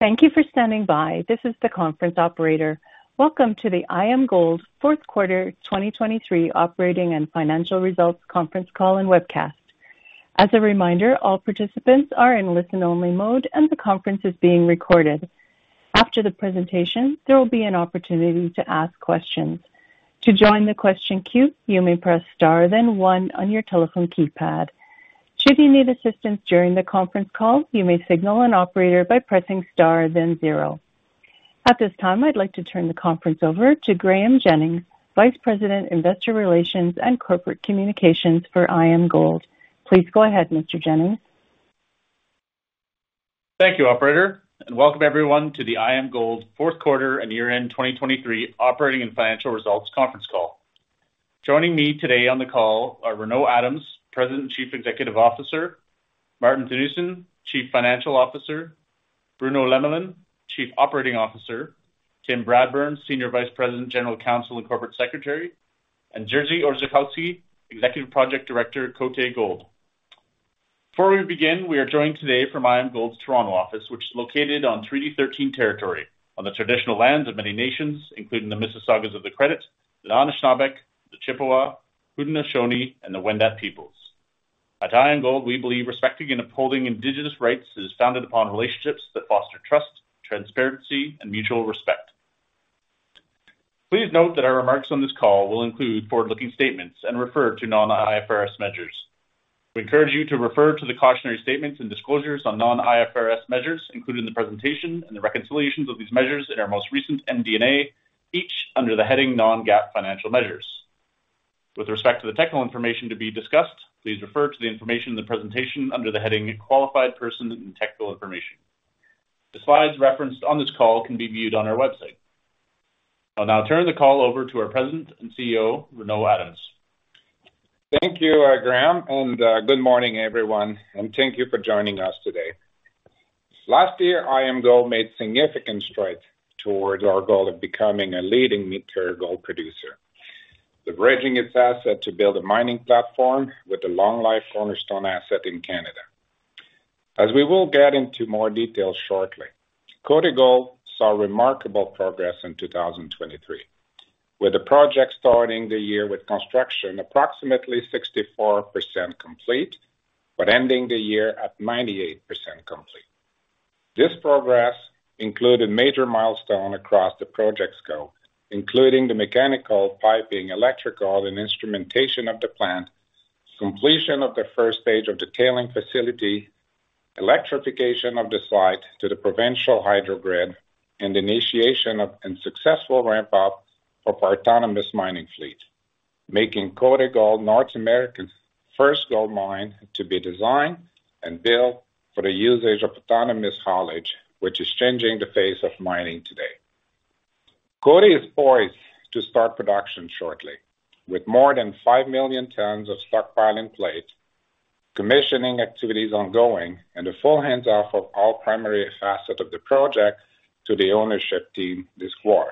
Thank you for standing by. This is the conference operator. Welcome to the IAMGOLD 4th Quarter 2023 Operating and Financial Results Conference Call and Webcast. As a reminder, all participants are in listen-only mode and the conference is being recorded. After the presentation, there will be an opportunity to ask questions. To join the question queue, you may press * then one on your telephone keypad. Should you need assistance during the conference call, you may signal an operator by pressing * then zero. At this time, I'd like to turn the conference over to Graeme Jennings, Vice President, Investor Relations and Corporate Communications for IAMGOLD. Please go ahead, Mr. Jennings. Thank you, Operator, and welcome everyone to the IAMGOLD 4th Quarter and Year-End 2023 Operating and Financial Results Conference Call. Joining me today on the call are Renaud Adams, President and Chief Executive Officer; Maarten Theunissen, Chief Financial Officer; Bruno Lemelin, Chief Operating Officer; Tim Bradburn, Senior Vice President General Counsel and Corporate Secretary; and Jerzy Orzechowski, Executive Project Director, Côté Gold. Before we begin, we are joined today from IAMGOLD's Toronto office, which is located on Treaty 13 territory, on the traditional lands of many nations, including the Mississaugas of the Credit, the Anishinaabek, the Chippewa, Haudenosaunee, and the Wendat peoples. At IAMGOLD, we believe respecting and upholding Indigenous rights is founded upon relationships that foster trust, transparency, and mutual respect. Please note that our remarks on this call will include forward-looking statements and refer to non-IFRS measures. We encourage you to refer to the cautionary statements and disclosures on non-IFRS measures, including the presentation and the reconciliations of these measures in our most recent MD&A, each under the heading Non-GAAP Financial Measures. With respect to the technical information to be discussed, please refer to the information in the presentation under the heading Qualified Person and Technical Information. The slides referenced on this call can be viewed on our website. I'll now turn the call over to our President and CEO, Renaud Adams. Thank you, Graeme, and good morning, everyone, and thank you for joining us today. Last year, IAMGOLD made significant strides towards our goal of becoming a leading mid-tier gold producer, leveraging its asset to build a mining platform with a long-life cornerstone asset in Canada. As we will get into more detail shortly, Côté Gold saw remarkable progress in 2023, with the project starting the year with construction approximately 64% complete but ending the year at 98% complete. This progress included major milestones across the project scope, including the mechanical, piping, electrical, and instrumentation of the plant, completion of the first stage of the tailings facility, electrification of the site to the provincial hydrogrid, and initiation of a successful ramp-up for our autonomous mining fleet, making Côté Gold North America's first gold mine to be designed and built for the usage of autonomous haulage, which is changing the face of mining today. Côté is poised to start production shortly, with more than 5 million tons of stockpile in place, commissioning activities ongoing, and a full handoff of all primary assets of the project to the ownership team this quarter.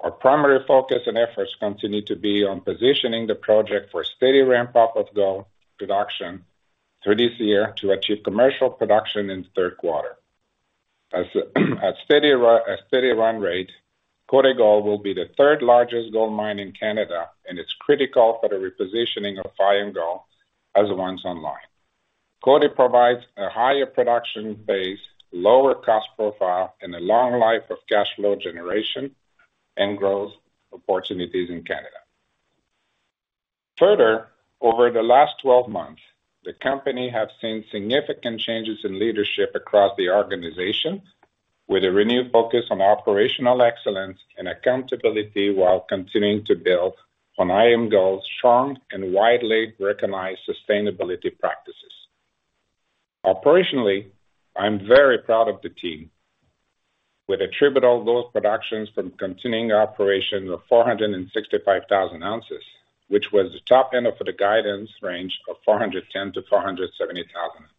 Our primary focus and efforts continue to be on positioning the project for a steady ramp-up of gold production through this year to achieve commercial production in the third quarter. At steady run rate, Côté Gold will be the third-largest gold mine in Canada, and it's critical for the repositioning of IAMGOLD once online. Côté Gold provides a higher production base, lower cost profile, and a long life of cash flow generation and growth opportunities in Canada. Further, over the last 12 months, the company has seen significant changes in leadership across the organization, with a renewed focus on operational excellence and accountability while continuing to build on IAMGOLD's strong and widely recognized sustainability practices. Operationally, I'm very proud of the team, with attributable gold production from continuing operations of 465,000 ounces, which was the top end of the guidance range of 410,000-470,000 ounces.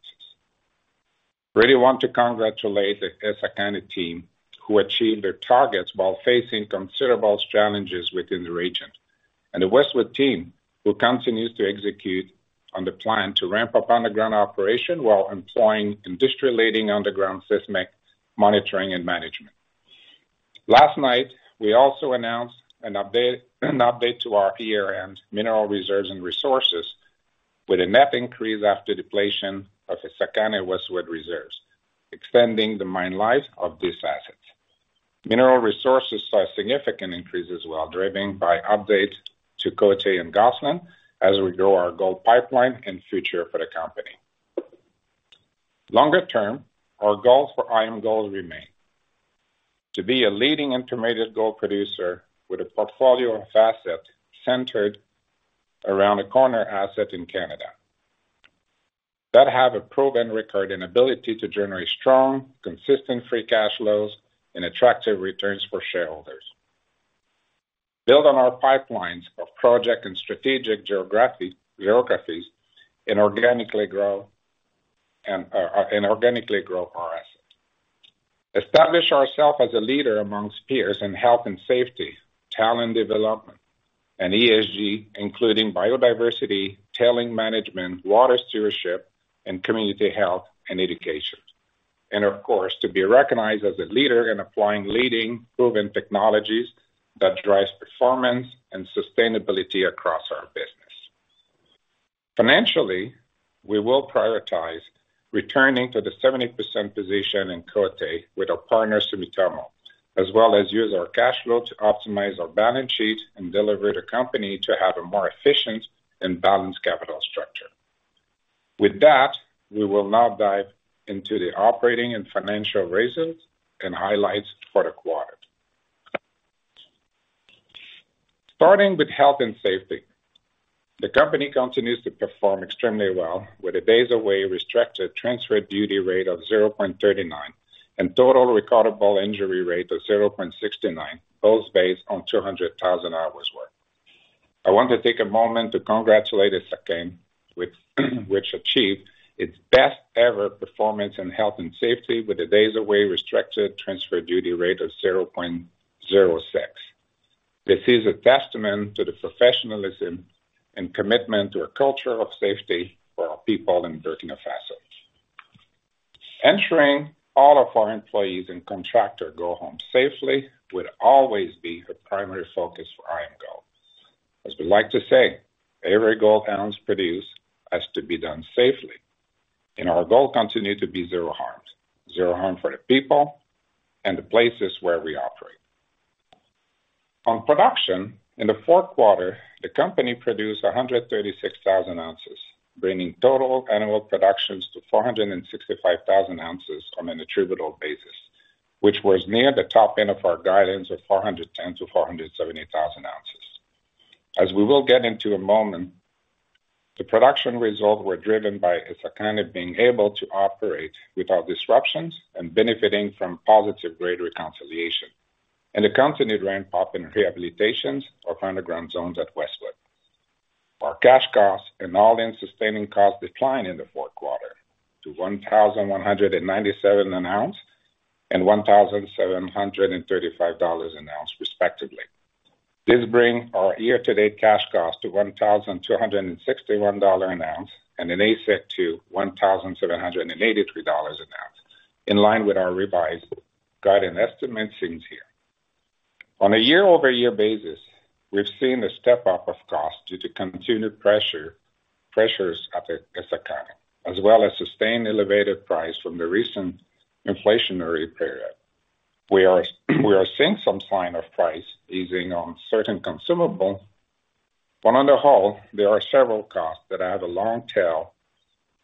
I really want to congratulate the Essakane Canada team, who achieved their targets while facing considerable challenges within the region, and the Westwood team, who continues to execute on the plan to ramp up underground operation while employing industry-leading underground seismic monitoring and management. Last night, we also announced an update to our year-end mineral reserves and resources, with a net increase after depletion of Essakane Canada Westwood reserves, extending the mine life of these assets. Mineral resources saw a significant increase as well, driven by updates to Côté and Gosselin as we grow our gold pipeline and future for the company. Longer term, our goals for IAMGOLD remain: to be a leading integrated gold producer with a portfolio of assets centered around a corner asset in Canada that have a proven record and ability to generate strong, consistent free cash flows and attractive returns for shareholders, build on our pipelines of project and strategic geographies, and organically grow our assets, establish ourselves as a leader amongst peers in health and safety, talent development, And ESG, including biodiversity, tailing management, water stewardship, and community health and education, and, of course, to be recognized as a leader in applying leading, proven technologies that drive performance and sustainability across our business. Financially, we will prioritize returning to the 70% position in Côté with our partner, Sumitomo, as well as use our cash flow to optimize our balance sheet and deliver the company to have a more efficient and balanced capital structure. With that, we will now dive into the operating and financial results and highlights for the quarter. Starting with health and safety, the company continues to perform extremely well, with a days-away restricted transfer duty rate of 0.39 and total recordable injury rate of 0.69, both based on 200,000 hours' work. I want to take a moment to congratulate Essakane, which achieved its best-ever performance in health and safety with a days-away restricted transfer duty rate of 0.06. This is a testament to the professionalism and commitment to a culture of safety for our people in Burkina Faso. Ensuring all of our employees and contractors go home safely will always be a primary focus for IAMGOLD. As we like to say, "Every gold ounce produced has to be done safely," and our goal continues to be zero harms, zero harm for the people and the places where we operate. On production, in the fourth quarter, the company produced 136,000 ounces, bringing total annual production to 465,000 ounces on an attributable basis, which was near the top end of our guidance of 410,000-470,000 ounces. As we will get into in a moment, the production results were driven by Essakane being able to operate without disruptions and benefiting from positive grade reconciliation and a continued ramp-up in rehabilitations of underground zones at Westwood. Our cash costs and all-in sustaining costs declined in the fourth quarter to $1,197 an ounce and $1,735 an ounce, respectively. This brings our year-to-date cash costs to $1,261 an ounce and an AISC to $1,783 an ounce, in line with our revised guidance estimates seen here. On a year-over-year basis, we've seen a step-up of costs due to continued pressures at Essakane, as well as sustained elevated prices from the recent inflationary period. We are seeing some signs of price easing on certain consumables, but on the whole, there are several costs that have a long tail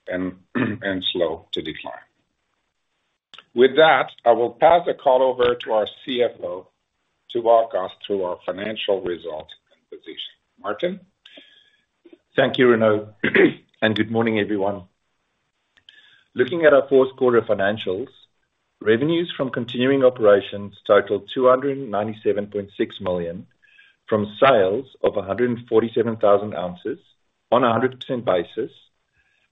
and slow to decline. With that, I will pass the call over to our CFO to walk us through our financial results and position. Maarten? Thank you, Renaud, and good morning, everyone. Looking at our fourth quarter financials, revenues from continuing operations totaled $297.6 million from sales of 147,000 ounces on a 100% basis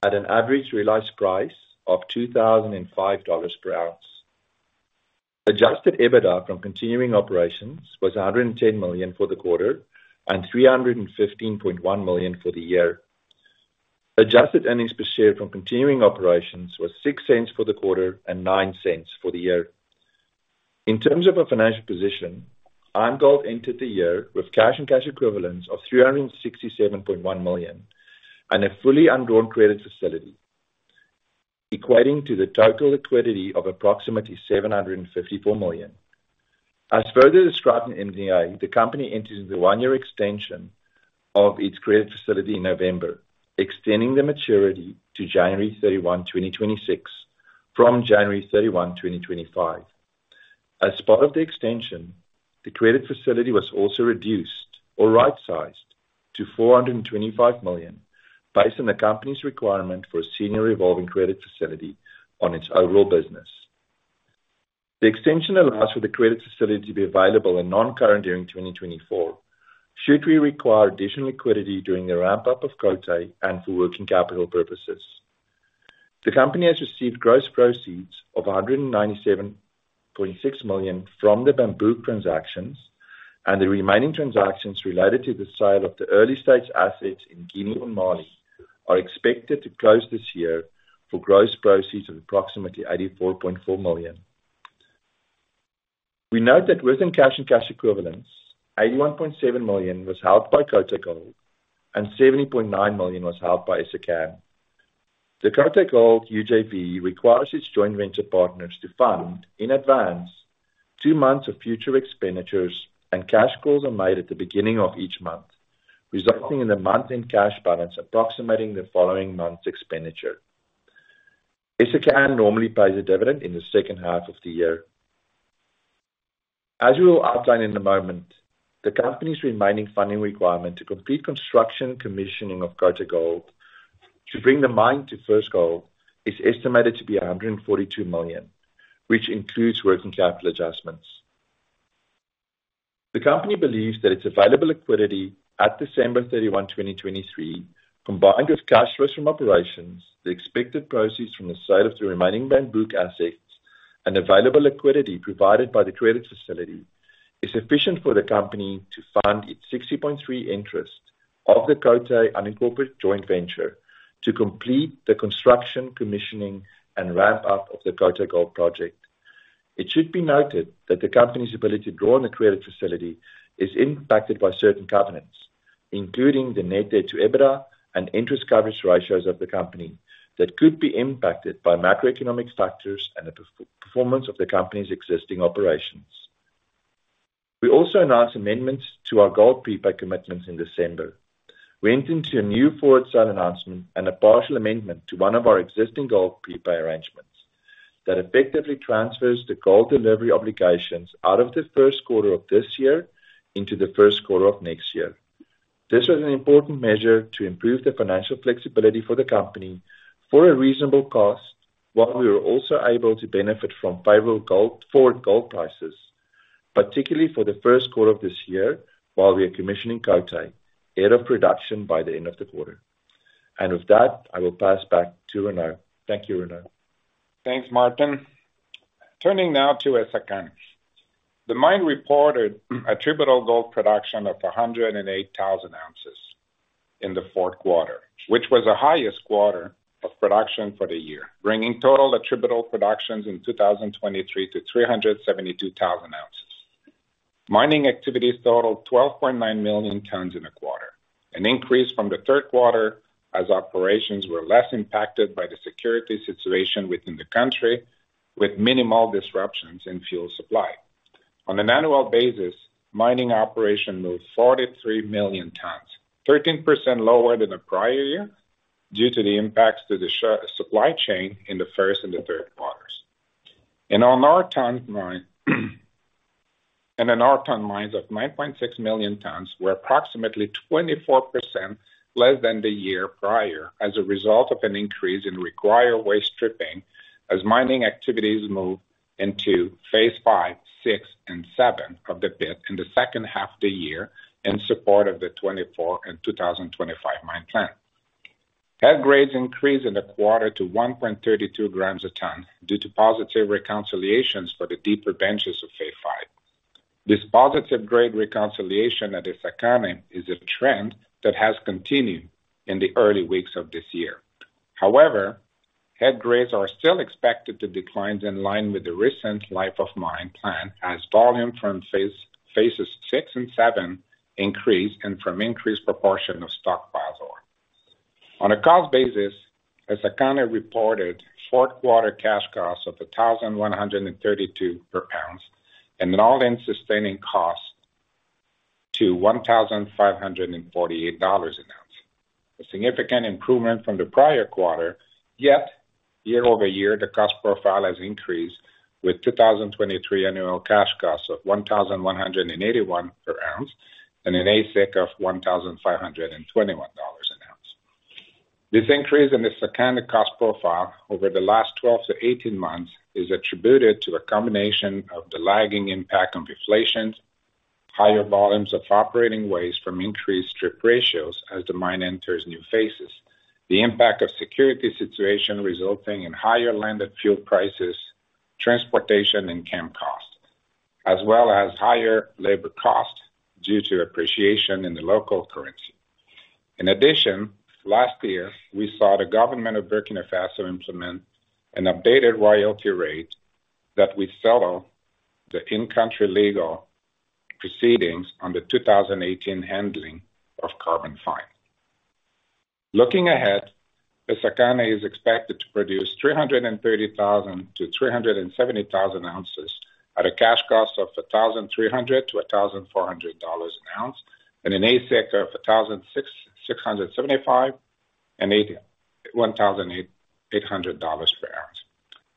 at an average realized price of $2,005 per ounce. Adjusted EBITDA from continuing operations was $110 million for the quarter and $315.1 million for the year. Adjusted earnings per share from continuing operations was $0.06 for the quarter and $0.09 for the year. In terms of our financial position, IAMGOLD entered the year with cash and cash equivalents of $367.1 million and a fully undrawn credit facility, equating to total liquidity of approximately $754 million. As further described in MD&A, the company entered into a one-year extension of its credit facility in November, extending the maturity to January 31, 2026, from January 31, 2025. As part of the extension, the credit facility was also reduced or right-sized to $425 million based on the company's requirement for a senior revolving credit facility on its overall business. The extension allows for the credit facility to be available and non-current during 2024 should we require additional equity during the ramp-up of Côté Gold and for working capital purposes. The company has received gross proceeds of $197.6 million from the Bambouk transactions, and the remaining transactions related to the sale of the early-stage assets in Guinea and Mali are expected to close this year for gross proceeds of approximately $84.4 million. We note that within cash and cash equivalents, $81.7 million was held by Côté Gold, and $70.9 million was held by Essakane. The Côté Gold UJV requires its joint venture partners to fund, in advance, two months of future expenditures, and cash calls are made at the beginning of each month, resulting in a month-end cash balance approximating the following month's expenditure. Essakane normally pays a dividend in the second half of the year. As we will outline in a moment, the company's remaining funding requirement to complete construction commissioning of Côté Gold to bring the mine to First Gold is estimated to be $142 million, which includes working capital adjustments. The company believes that its available equity at December 31, 2023, combined with cash flows from operations, the expected proceeds from the sale of the remaining Bambouk assets, and available equity provided by the credit facility is sufficient for the company to fund its 60.3% interest of the Côté unincorporated joint venture to complete the construction commissioning and ramp-up of the Côté Gold project. It should be noted that the company's ability to draw on the credit facility is impacted by certain covenants, including the net debt to EBITDA and interest coverage ratios of the company that could be impacted by macroeconomic factors and the performance of the company's existing operations. We also announced amendments to our gold prepay commitments in December. We entered into a new forward sale announcement and a partial amendment to one of our existing gold prepay arrangements that effectively transfers the gold delivery obligations out of the first quarter of this year into the first quarter of next year. This was an important measure to improve the financial flexibility for the company for a reasonable cost while we were also able to benefit from favorable forward gold prices, particularly for the first quarter of this year while we are commissioning Côté, out of production by the end of the quarter. With that, I will pass back to Renaud. Thank you, Renaud. Thanks, Maarten. Turning now to Essakane. The mine reported attributable gold production of 108,000 ounces in the fourth quarter, which was the highest quarter of production for the year, bringing total attributable productions in 2023 to 372,000 ounces. Mining activities totaled 12.9 million tons in a quarter, an increase from the third quarter as operations were less impacted by the security situation within the country, with minimal disruptions in fuel supply. On an annual basis, mining operations moved 43 million tons, 13% lower than the prior year due to the impacts to the supply chain in the first and the third quarters. In Essakane, we mined 9.6 million tons, we're approximately 24% less than the year prior as a result of an increase in required waste stripping as mining activities moved into phase 5, 6, and 7 of the pit in the second half of the year in support of the 2024 and 2025 mine plan. Head grades increased in the quarter to 1.32 grams a ton due to positive reconciliations for the deeper benches of phase 5. This positive grade reconciliation at Essakane is a trend that has continued in the early weeks of this year. However, head grades are still expected to decline in line with the recent life of mine plan as volume from phases 6 and 7 increased and from increased proportion of stockpiles over. On a cost basis, Essakane reported fourth quarter cash costs of $1,132 per ounce and an all-in sustaining cost of $1,548 an ounce, a significant improvement from the prior quarter. Yet, year-over-year, the cost profile has increased with 2023 annual cash costs of $1,181 per ounce and an AISC of $1,521 an ounce. This increase in Essakane cost profile over the last 12-18 months is attributed to a combination of the lagging impact of inflation, higher volumes of operating waste from increased strip ratios as the mine enters new phases, the impact of security situations resulting in higher landed fuel prices, transportation, and camp costs, as well as higher labor costs due to appreciation in the local currency. In addition, last year, we saw the government of Burkina Faso implement an updated royalty rate that would settle the in-country legal proceedings on the 2018 handling of carbon fines. Looking ahead, Essakane is expected to produce 330,000-370,000 ounces at a cash cost of $1,300-$1,400 an ounce and an AISC of $1,675-$1,800 per ounce.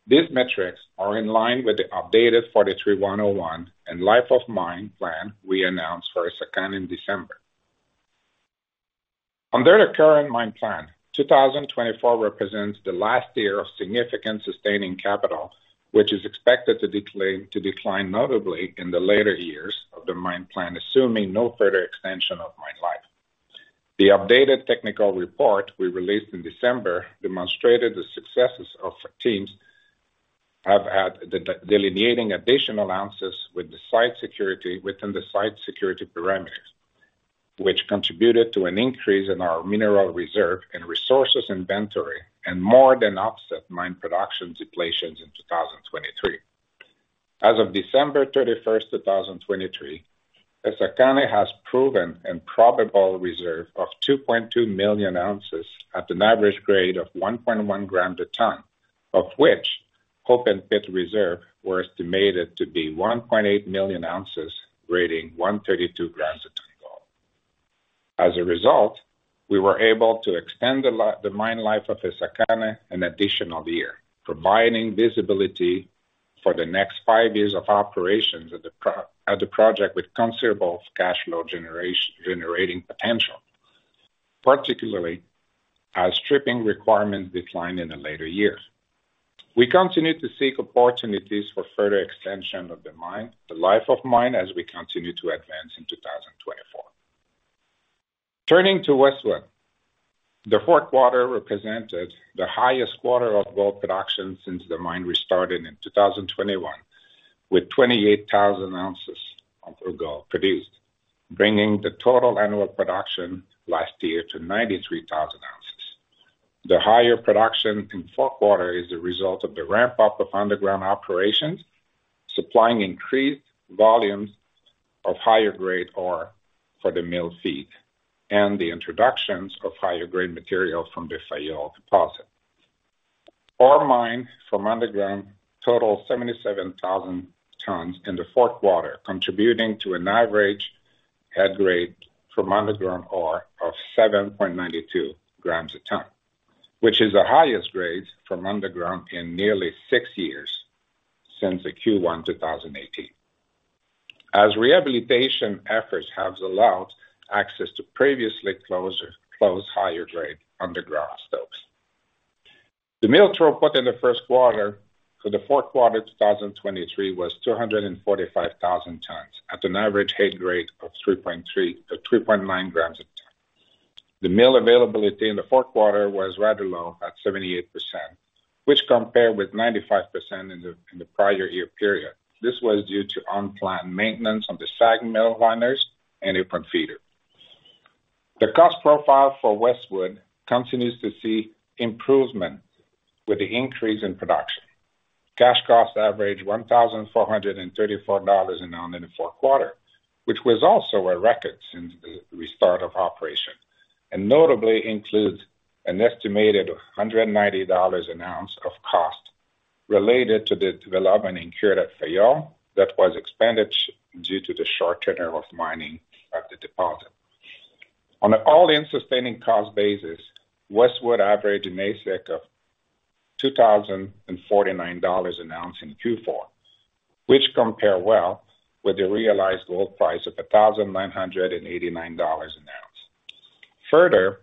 These metrics are in line with the updated 43-101 and life of mine plan we announced for Essakane in December. Under the current mine plan, 2024 represents the last year of significant sustaining capital, which is expected to decline notably in the later years of the mine plan, assuming no further extension of mine life. The updated technical report we released in December demonstrated the successes of teams at delineating additional ounces within the site security parameters, which contributed to an increase in our mineral reserve and resources inventory and more than offset mine production depletions in 2023. As of December 31, 2023, Essakane has proven and probable reserve of 2.2 million ounces at an average grade of 1.1 grams a ton, of which open pit reserve was estimated to be 1.8 million ounces, grading 132 grams a ton gold. As a result, we were able to extend the mine life of Essakane an additional year, providing visibility for the next five years of operations at the project with considerable cash flow generating potential, particularly as stripping requirements decline in the later years. We continue to seek opportunities for further extension of the life of mine as we continue to advance in 2024. Turning to Westwood, the fourth quarter represented the highest quarter of gold production since the mine restarted in 2021, with 28,000 ounces of gold produced, bringing the total annual production last year to 93,000 ounces. The higher production in fourth quarter is the result of the ramp-up of underground operations, supplying increased volumes of higher grade ore for the mill feed, and the introductions of higher grade material from the Fayolle deposit. Our mine from underground totaled 77,000 tons in the fourth quarter, contributing to an average head grade from underground ore of 7.92 grams a ton, which is the highest grade from underground in nearly six years since Q1 2018, as rehabilitation efforts have allowed access to previously closed higher grade underground stops. The mill throughput in the first quarter for the fourth quarter 2023 was 245,000 tons at an average head grade of 3.9 grams a ton. The mill availability in the fourth quarter was rather low at 78%, which compared with 95% in the prior year period. This was due to unplanned maintenance on the SAG mill liners and apron feeder. The cost profile for Westwood continues to see improvement with the increase in production, cash cost average $1,434 an ounce in the fourth quarter, which was also a record since the restart of operation, And notably includes an estimated $190 an ounce of cost related to the development and cure at Fayolle that was expended due to the short turnover of mining at the deposit. On an all-in sustaining cost basis, Westwood averaged an AISC of $2,049 an ounce in Q4, which compared well with the realized gold price of $1,989 an ounce. Further,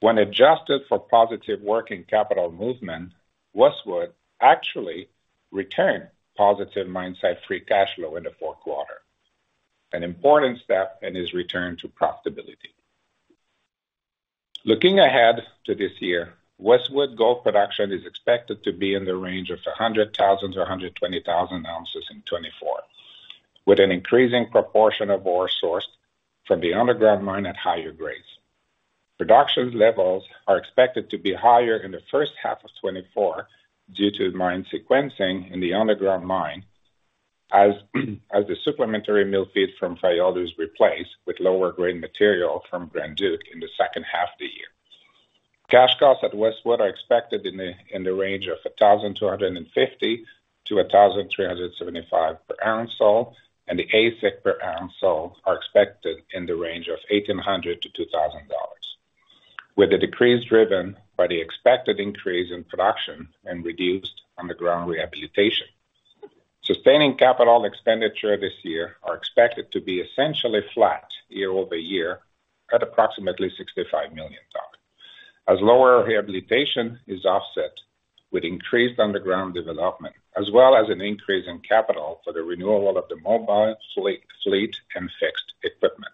when adjusted for positive working capital movement, Westwood actually returned positive mine site free cash flow in the fourth quarter, an important step in its return to profitability. Looking ahead to this year, Westwood gold production is expected to be in the range of 100,000-120,000 ounces in 2024, with an increasing proportion of ore sourced from the underground mine at higher grades. Production levels are expected to be higher in the first half of 2024 due to mine sequencing in the underground mine as the supplementary mill feed from Fayolle is replaced with lower grade material from Grand Duke in the second half of the year. Cash costs at Westwood are expected in the range of 1,250-1,375 per ounce sold, and the AISC per ounce sold are expected in the range of $1,800-$2,000, with the decrease driven by the expected increase in production and reduced underground rehabilitation. Sustaining capital expenditure this year is expected to be essentially flat year-over-year at approximately $65 million, as lower rehabilitation is offset with increased underground development as well as an increase in capital for the renewal of the mobile fleet and fixed equipment.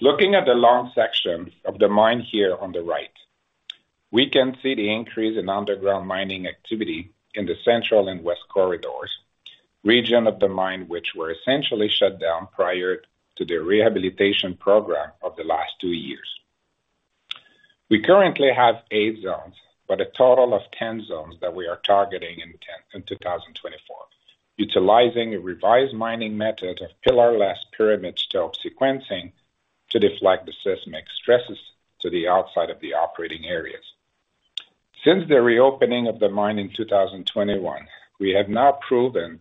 Looking at the long section of the mine here on the right, we can see the increase in underground mining activity in the central and west corridors, region of the mine which were essentially shut down prior to the rehabilitation program of the last two years. We currently have eight zones but a total of 10 zones that we are targeting in 2024, utilizing a revised mining method of pillar-less pyramid stope sequencing to deflect the seismic stresses to the outside of the operating areas. Since the reopening of the mine in 2021, we have now proven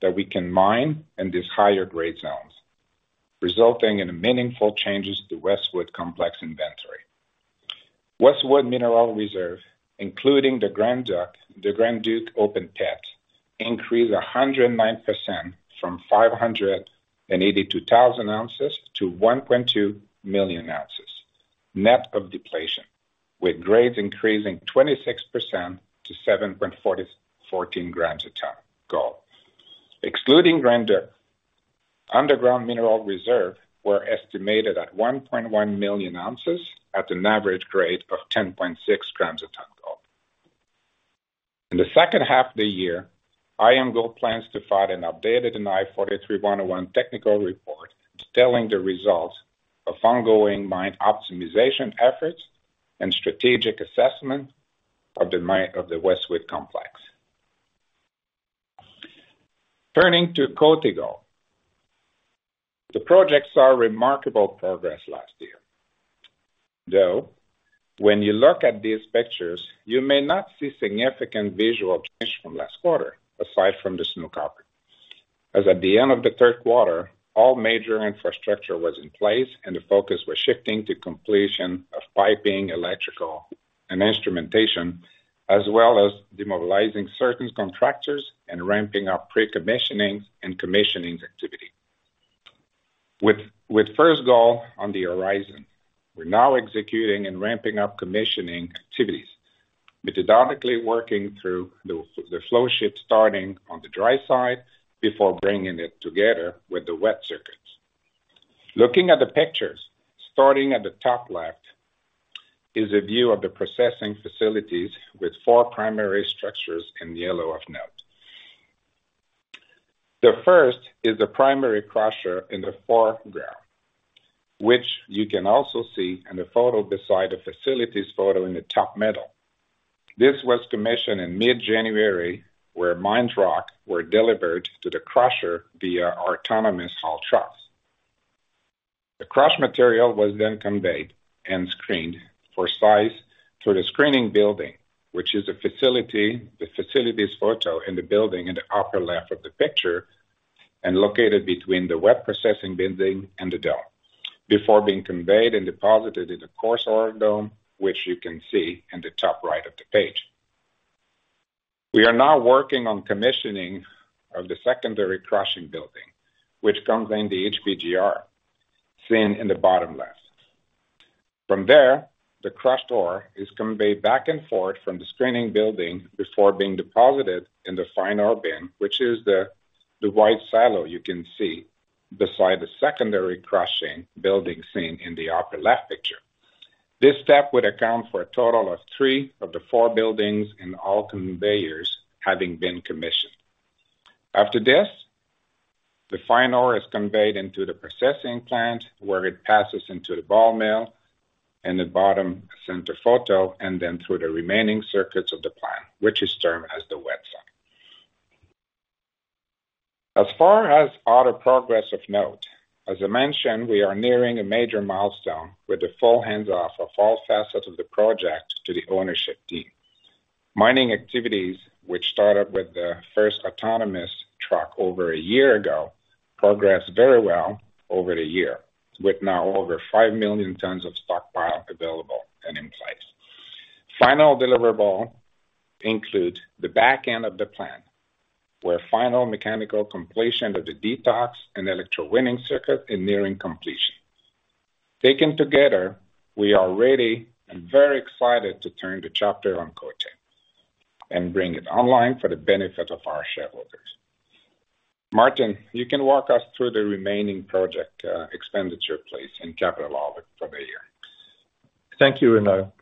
that we can mine in these higher grade zones, resulting in meaningful changes to Westwood complex inventory. Westwood mineral reserve, including the Grand Duke open pit, increased 109% from 582,000 ounces to 1.2 million ounces net of depletion, with grades increasing 26% to 7.14 grams a ton gold. Excluding Grand Duke, underground mineral reserve was estimated at 1.1 million ounces at an average grade of 10.6 grams a ton gold. In the second half of the year, IAMGOLD plans to file an updated NI 43-101 technical report detailing the results of ongoing mine optimization efforts and strategic assessment of the Westwood complex. Turning to Côté Gold, the project saw remarkable progress last year. Though, when you look at these pictures, you may not see significant visual change from last quarter aside from the snow cover. As at the end of the third quarter, all major infrastructure was in place and the focus was shifting to completion of piping, electrical, and instrumentation, as well as demobilizing certain contractors and ramping up pre-commissioning and commissioning activity. With first gold on the horizon, we're now executing and ramping up commissioning activities, methodically working through the flow sheet starting on the dry side before bringing it together with the wet circuits. Looking at the pictures, starting at the top left is a view of the processing facilities with four primary structures in yellow of note. The first is the primary crusher in the foreground, which you can also see in the photo beside the facility's photo in the top middle. This was commissioned in mid-January, where mined rock was delivered to the crusher via autonomous haul trucks. The crushed material was then conveyed and screened for size through the screening building, which is the facility's photo in the building in the upper left of the picture and located between the wet processing building and the dome, before being conveyed and deposited in the coarse ore dome, which you can see in the top right of the page. We are now working on commissioning of the secondary crushing building, which contains the HPGR seen in the bottom left. From there, the crushed ore is conveyed back and forth from the screening building before being deposited in the fine ore bin, which is the white silo you can see beside the secondary crushing building seen in the upper left picture. This step would account for a total of three of the four buildings and all conveyors having been commissioned. After this, the fine ore is conveyed into the processing plant, where it passes into the ball mill in the bottom center photo, and then through the remaining circuits of the plant, which is termed as the wet site. As far as other progress of note, as I mentioned, we are nearing a major milestone with the full hands-off of all facets of the project to the ownership team. Mining activities, which started with the first autonomous truck over a year ago, progressed very well over the year, with now over 5 million tons of stockpile available and in place. Final deliverable includes the back end of the plan, where final mechanical completion of the detox and electrowinning circuit is nearing completion. Taken together, we are ready and very excited to turn the chapter on Côté Gold and bring it online for the benefit of our shareholders. Maarten, you can walk us through the remaining project expenditure, please, in capital audit for the year. Thank you, Renaud.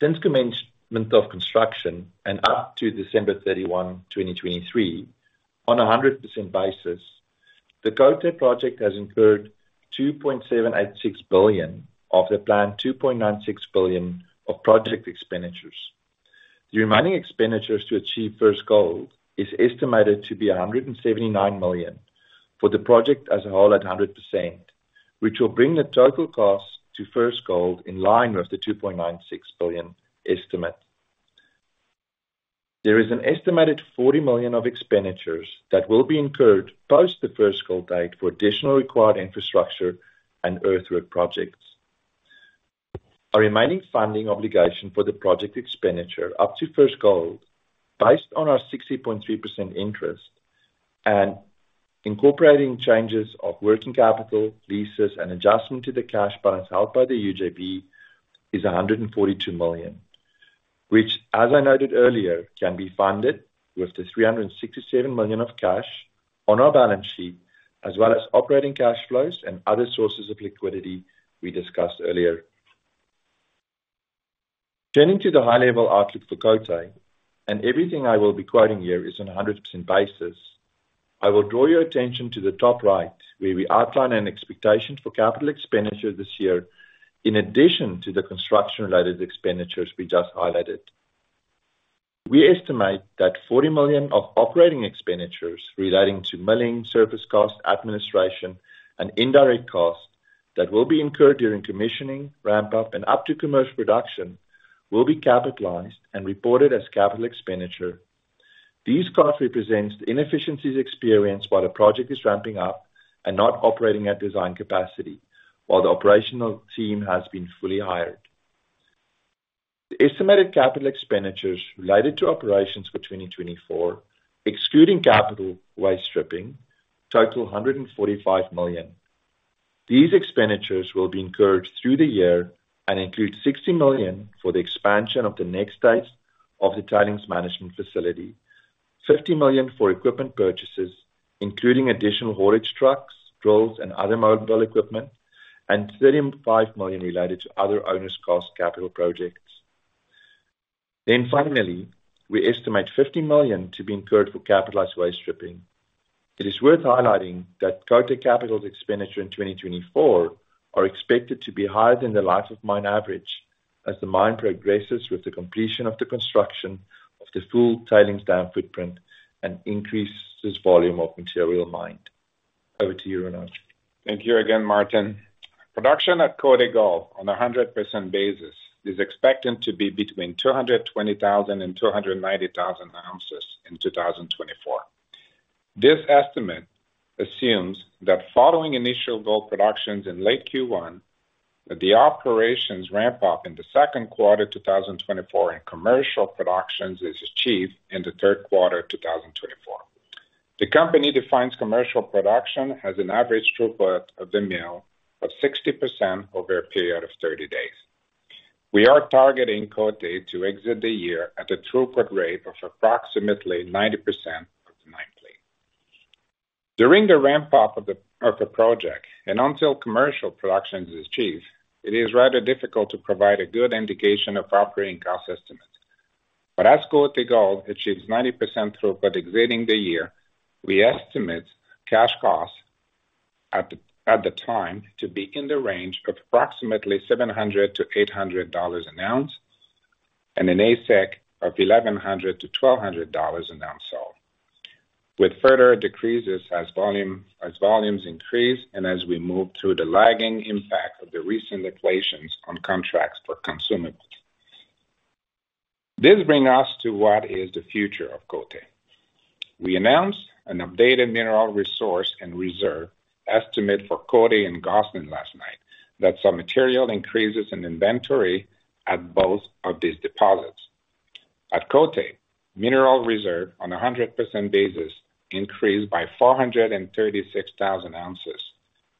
Since commencement of construction and up to December 31, 2023, on a 100% basis, the Côté Gold project has incurred $2.786 billion of the planned $2.96 billion of project expenditures. The remaining expenditures to achieve first gold are estimated to be $179 million for the project as a whole at 100%, which will bring the total cost to first gold in line with the $2.96 billion estimate. There is an estimated $40 million of expenditures that will be incurred post the first gold date for additional required infrastructure and earthwork projects. Our remaining funding obligation for the project expenditure up to first gold, based on our 60.3% interest and incorporating changes of working capital, leases, and adjustment to the cash balance held by the UJV, is $142 million, which, as I noted earlier, can be funded with the $367 million of cash on our balance sheet, as well as operating cash flows and other sources of liquidity we discussed earlier. Turning to the high-level outlook for Côté Gold, and everything I will be quoting here is on a 100% basis, I will draw your attention to the top right, where we outline an expectation for capital expenditure this year in addition to the construction-related expenditures we just highlighted. We estimate that $40 million of operating expenditures relating to milling, surface cost, administration, and indirect costs that will be incurred during commissioning, ramp-up, and up to commercial production will be capitalized and reported as capital expenditure. These costs represent the inefficiencies experienced while the project is ramping up and not operating at design capacity, while the operational team has been fully hired. The estimated capital expenditures related to operations for 2024, excluding capital waste stripping, total $145 million. These expenditures will be incurred through the year and include $60 million for the expansion of the next stage of the tailings management facility, $50 million for equipment purchases, including additional haulage trucks, drills, and other mobile equipment, and $35 million related to other owners' cost capital projects. Finally, we estimate $50 million to be incurred for capitalized waste stripping. It is worth highlighting that Côté Gold capital expenditure in 2024 is expected to be higher than the life of mine average as the mine progresses with the completion of the construction of the full tailings dam footprint and increases volume of material mined. Over to you, Renaud. Thank you again, Maarten. Production at Côté Gold on a 100% basis is expected to be between 220,000 and 290,000 ounces in 2024. This estimate assumes that following initial gold production in late Q1, the operations ramp-up in the second quarter 2024 and commercial production is achieved in the third quarter 2024. The company defines commercial production as an average throughput of the mill of 60% over a period of 30 days. We are targeting Côté Gold to exit the year at a throughput rate of approximately 90% of the nameplate. During the ramp-up of the project and until commercial production is achieved, it is rather difficult to provide a good indication of operating cost estimates. But as Côté Gold achieves 90% throughput exiting the year, we estimate cash costs at the time to be in the range of approximately $700-$800 an ounce and an AISC of $1,100-$1,200 an ounce sold, with further decreases as volumes increase and as we move through the lagging impact of the recent depletions on contracts for consumables. This brings us to what is the future of Côté Gold. We announced an updated mineral resource and reserve estimate for Côté Gold in Gosselin last night that some material increases in inventory at both of these deposits. At Côté Gold, mineral reserve on a 100% basis increased by 436,000 ounces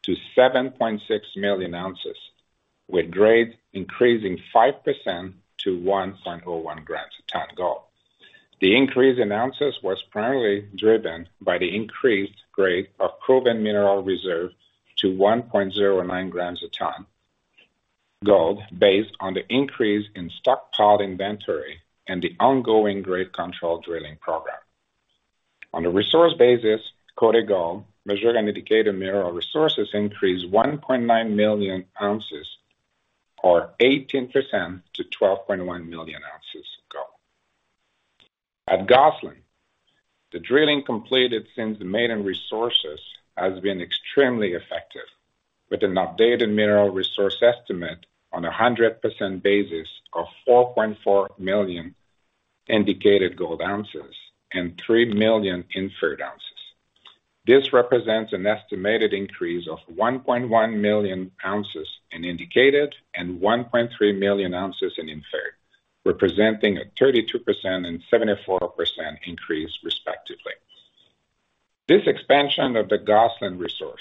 to 7.6 million ounces, with grades increasing 5% to 1.01 grams a ton gold. The increase in ounces was primarily driven by the increased grade of proven mineral reserve to 1.09 grams per ton gold based on the increase in stockpile inventory and the ongoing grade control drilling program. On a resource basis, Côté Gold measured and indicated mineral resources increased 1.9 million ounces or 18% to 12.1 million ounces gold. At Gosselin, the drilling completed since the maiden resources has been extremely effective, with an updated mineral resource estimate on a 100% basis of 4.4 million indicated gold ounces and 3 million inferred ounces. This represents an estimated increase of 1.1 million ounces in indicated and 1.3 million ounces in inferred, representing a 32% and 74% increase, respectively. This expansion of the Gosselin resource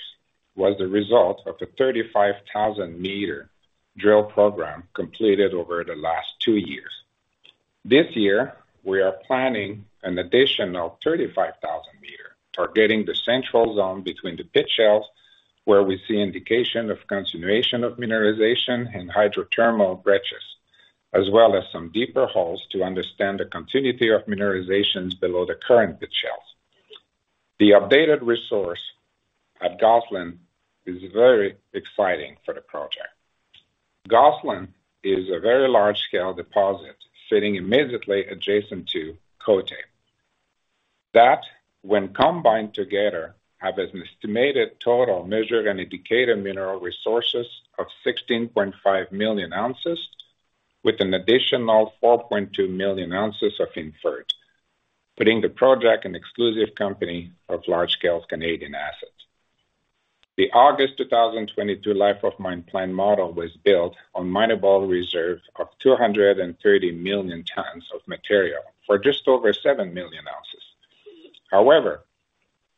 was the result of a 35,000-meter drill program completed over the last two years. This year, we are planning an additional 35,000 meters, targeting the central zone between the pit shells, where we see indication of continuation of mineralization and hydrothermal breccias, as well as some deeper holes to understand the continuity of mineralizations below the current pit shells. The updated resource at Gosselin is very exciting for the project. Gosselin is a very large-scale deposit sitting immediately adjacent to Côté Gold. That, when combined together, has an estimated total measured and indicated mineral resources of 16.5 million ounces, with an additional 4.2 million ounces of inferred, putting the project in exclusive company of large-scale Canadian assets. The August 2022 life of mine plan model was built on mineral reserve of 230 million tons of material for just over 7 million ounces. However,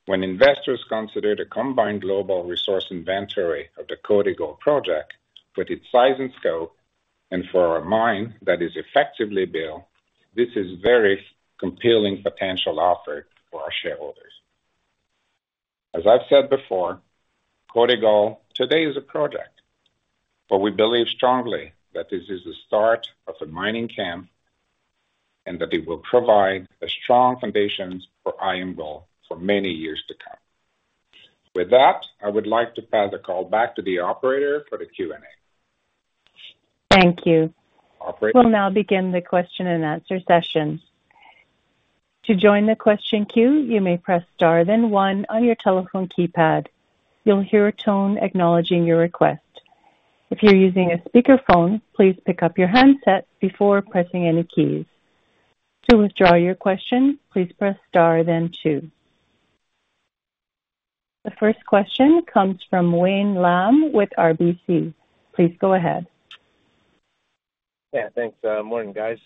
when investors consider the combined global resource inventory of the Côté Gold project with its size and scope and for a mine that is effectively built, this is a very compelling potential offer for our shareholders. As I've said before, Côté Gold today is a project, but we believe strongly that this is the start of a mining camp and that it will provide a strong foundation for IAMGOLD for many years to come. With that, I would like to pass a call back to the operator for the Q&A. Thank you. We'll now begin the question and answer session. To join the question queue, you may press star then one on your telephone keypad. You'll hear a tone acknowledging your request. If you're using a speakerphone, please pick up your handset before pressing any keys. To withdraw your question, please press star then two. The first question comes from Wayne Lam with RBC. Please go ahead. Yeah, thanks. Morning, guys.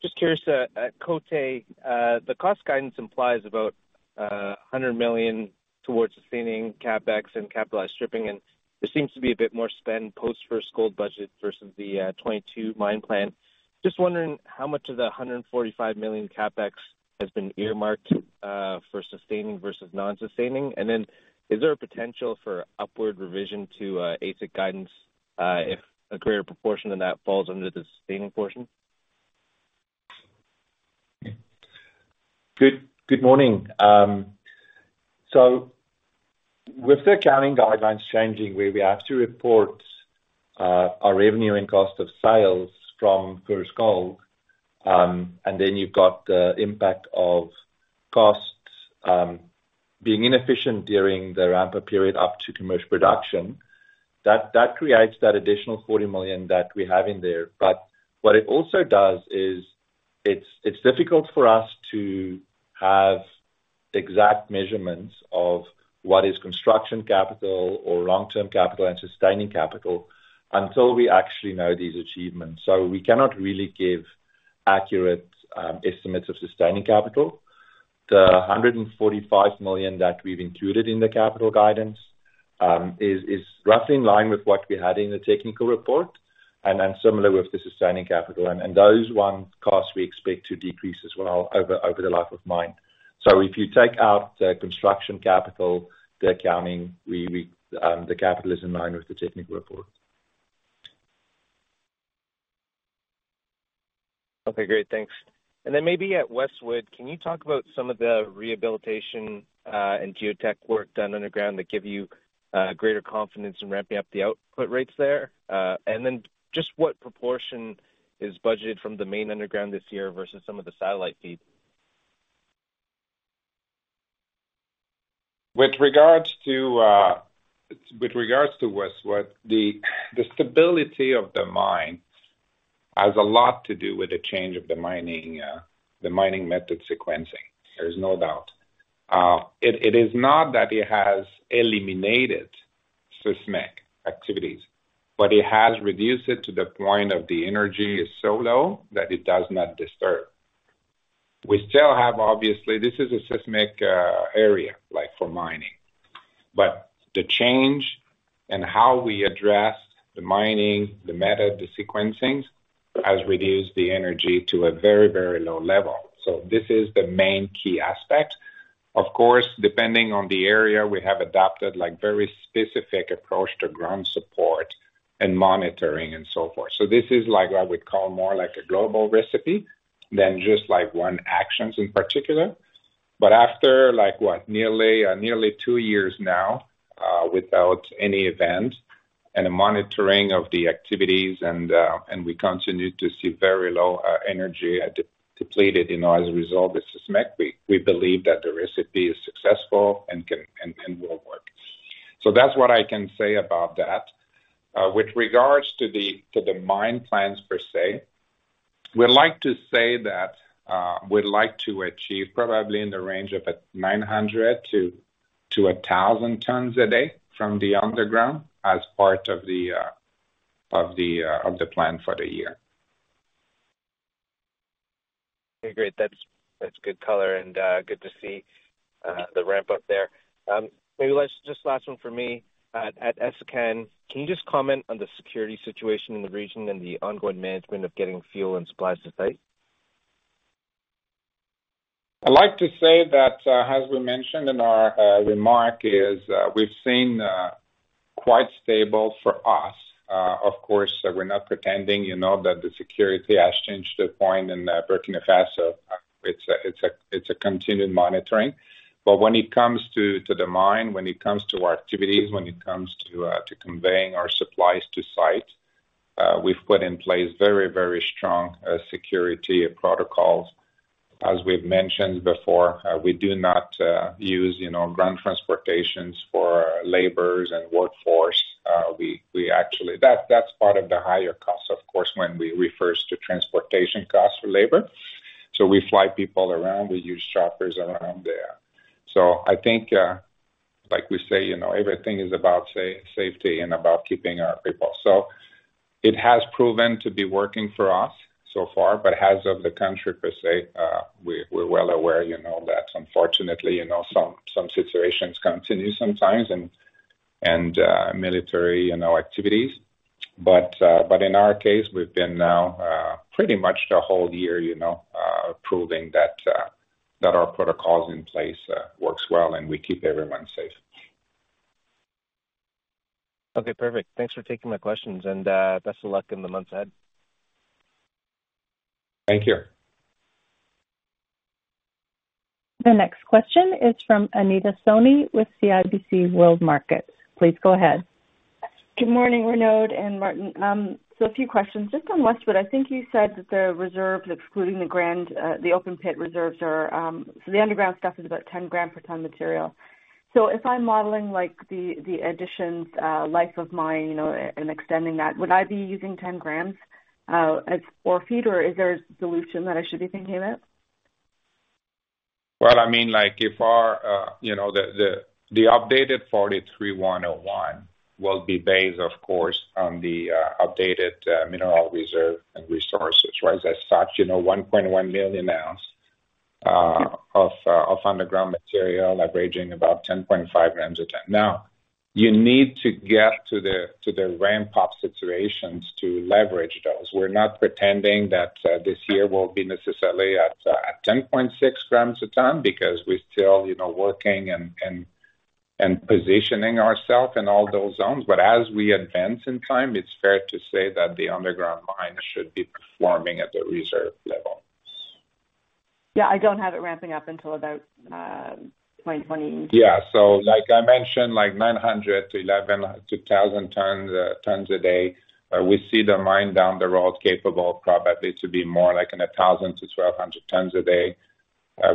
Just curious, at Côté Gold, the cost guidance implies about $100 million towards sustaining CapEx and capitalized stripping, and there seems to be a bit more spend post-first gold budget versus the 2022 mine plan. Just wondering how much of the $145 million CapEx has been earmarked for sustaining versus non-sustaining? And then is there a potential for upward revision to AISC guidance if a greater proportion than that falls under the sustaining portion? Good morning. So with the accounting guidelines changing, where we have to report our revenue and cost of sales from first gold, and then you've got the impact of costs being inefficient during the ramp-up period up to commercial production, that creates that additional $40 million that we have in there. But what it also does is it's difficult for us to have exact measurements of what is construction capital or long-term capital and sustaining capital until we actually know these achievements. So we cannot really give accurate estimates of sustaining capital. The $145 million that we've included in the capital guidance is roughly in line with what we had in the technical report and similar with the sustaining capital. And those one costs we expect to decrease as well over the life of mine. If you take out the construction capital, the accounting, the capital is in line with the technical report. Okay, great. Thanks. And then maybe at Westwood, can you talk about some of the rehabilitation and geotech work done underground that give you greater confidence in ramping up the output rates there? And then just what proportion is budgeted from the main underground this year versus some of the satellite feed? With regards to Westwood, the stability of the mine has a lot to do with the change of the mining method sequencing. There's no doubt. It is not that it has eliminated seismic activities, but it has reduced it to the point of the energy is so low that it does not disturb. We still have, obviously, this is a seismic area for mining, but the change and how we address the mining, the method, the sequencings has reduced the energy to a very, very low level. So this is the main key aspect. Of course, depending on the area, we have adopted a very specific approach to ground support and monitoring and so forth. So this is what I would call more like a global recipe than just one action in particular. But after, what, nearly two years now without any event and a monitoring of the activities, and we continue to see very low energy depleted as a result of the seismic, we believe that the recipe is successful and will work. So that's what I can say about that. With regards to the mine plans per se, we'd like to say that we'd like to achieve probably in the range of 900-1,000 tons a day from the underground as part of the plan for the year. Okay, great. That's good color and good to see the ramp-up there. Maybe just last one from me. At Essakane, can you just comment on the security situation in the region and the ongoing management of getting fuel and supplies to site? I'd like to say that, as we mentioned in our remark, we've seen quite stable for us. Of course, we're not pretending that the security has changed to a point in Burkina Faso. It's a continued monitoring. But when it comes to the mine, when it comes to our activities, when it comes to conveying our supplies to site, we've put in place very, very strong security protocols. As we've mentioned before, we do not use ground transportations for laborers and workforce. That's part of the higher cost, of course, when we refer to transportation costs for labor. So we fly people around. We use choppers around there. So I think, like we say, everything is about safety and about keeping our people. So it has proven to be working for us so far, but as of the country per se, we're well aware that, unfortunately, some situations continue sometimes and military activities. But in our case, we've been now pretty much the whole year proving that our protocols in place work well and we keep everyone safe. Okay, perfect. Thanks for taking my questions, and best of luck in the months ahead. Thank you. The next question is from Anita Soni with CIBC World Markets. Please go ahead. Good morning, Renaud and Maarten. So a few questions. Just on Westwood, I think you said that the reserves, excluding the open pit reserves, are so the underground stuff is about 10 grams per ton material. So if I'm modeling the addition's life of mine and extending that, would I be using 10 grams or feed, or is there a solution that I should be thinking of? Well, I mean, if the updated NI 43-101 will be based, of course, on the updated mineral reserve and resources, right, as such, 1.1 million ounces of underground material averaging about 10.5 grams a ton. Now, you need to get to the ramp-up situations to leverage those. We're not pretending that this year will be necessarily at 10.6 grams a ton because we're still working and positioning ourselves in all those zones. But as we advance in time, it's fair to say that the underground mine should be performing at the reserve level. Yeah, I don't have it ramping up until about 2020. Yeah. So like I mentioned, 900-1,000 tons a day, we see the mine down the road capable probably to be more like 1,000-1,200 tons a day.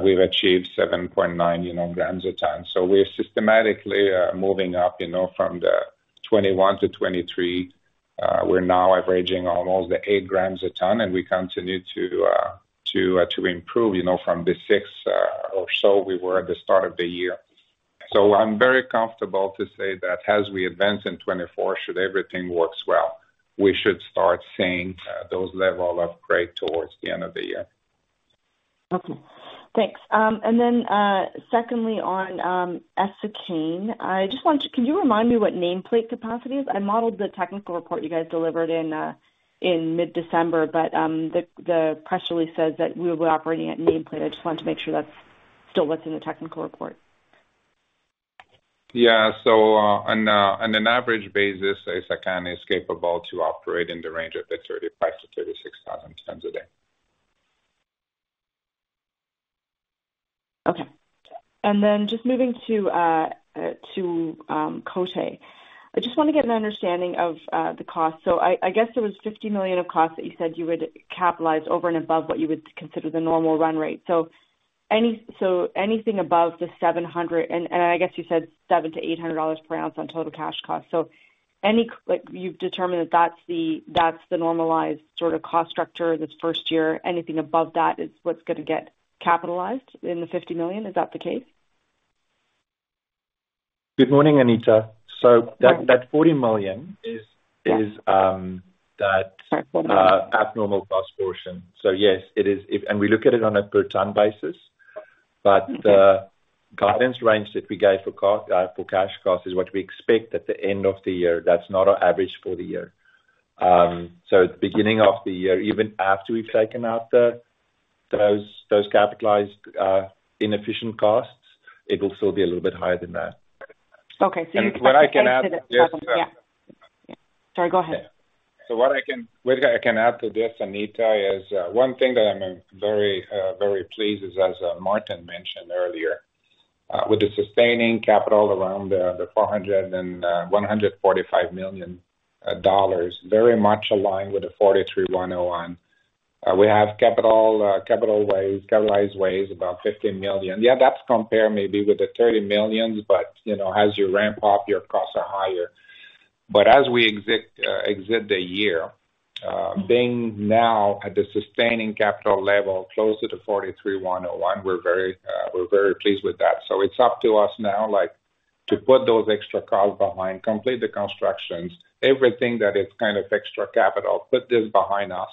We've achieved 7.9 grams a ton. So we're systematically moving up from the 2021 to 2023. We're now averaging almost 8 grams a ton, and we continue to improve. From the 6.0 or so, we were at the start of the year. So I'm very comfortable to say that as we advance in 2024, should everything works well, we should start seeing those levels of grade towards the end of the year. Okay. Thanks. And then secondly, on Essakane, I just want to. Can you remind me what nameplate capacity is? I modeled the technical report you guys delivered in mid-December, but the press release says that we will be operating at nameplate. I just wanted to make sure that's still what's in the technical report. Yeah. So on an average basis, Essakane is capable to operate in the range of the 35,000-36,000 tons a day. Okay. Then just moving to Côté Gold, I just want to get an understanding of the cost. So I guess there was $50 million of cost that you said you would capitalize over and above what you would consider the normal run rate. So anything above the $700 and I guess you said $700-$800 per ounce on total cash cost. So you've determined that that's the normalized sort of cost structure this first year. Anything above that is what's going to get capitalized in the $50 million. Is that the case? Good morning, Anita. So that $40 million is that abnormal cost portion. So yes, it is and we look at it on a per-ton basis, but the guidance range that we gave for cash cost is what we expect at the end of the year. That's not our average for the year. So at the beginning of the year, even after we've taken out those capitalized inefficient costs, it will still be a little bit higher than that. Okay. So you can add to this. What I can add to this. Yeah. Sorry, go ahead. So what I can add to this, Anita, is one thing that I'm very pleased is, as Maarten mentioned earlier, with the sustaining capital around the $400 million and $145 million, very much aligned with the NI 43-101. We have capitalized waste about $15 million. Yeah, that's compared maybe with the $30 million, but as you ramp up, your costs are higher. But as we exit the year, being now at the sustaining capital level closer to NI 43-101, we're very pleased with that. So it's up to us now to put those extra costs behind, complete the construction, everything that is kind of extra capital, put this behind us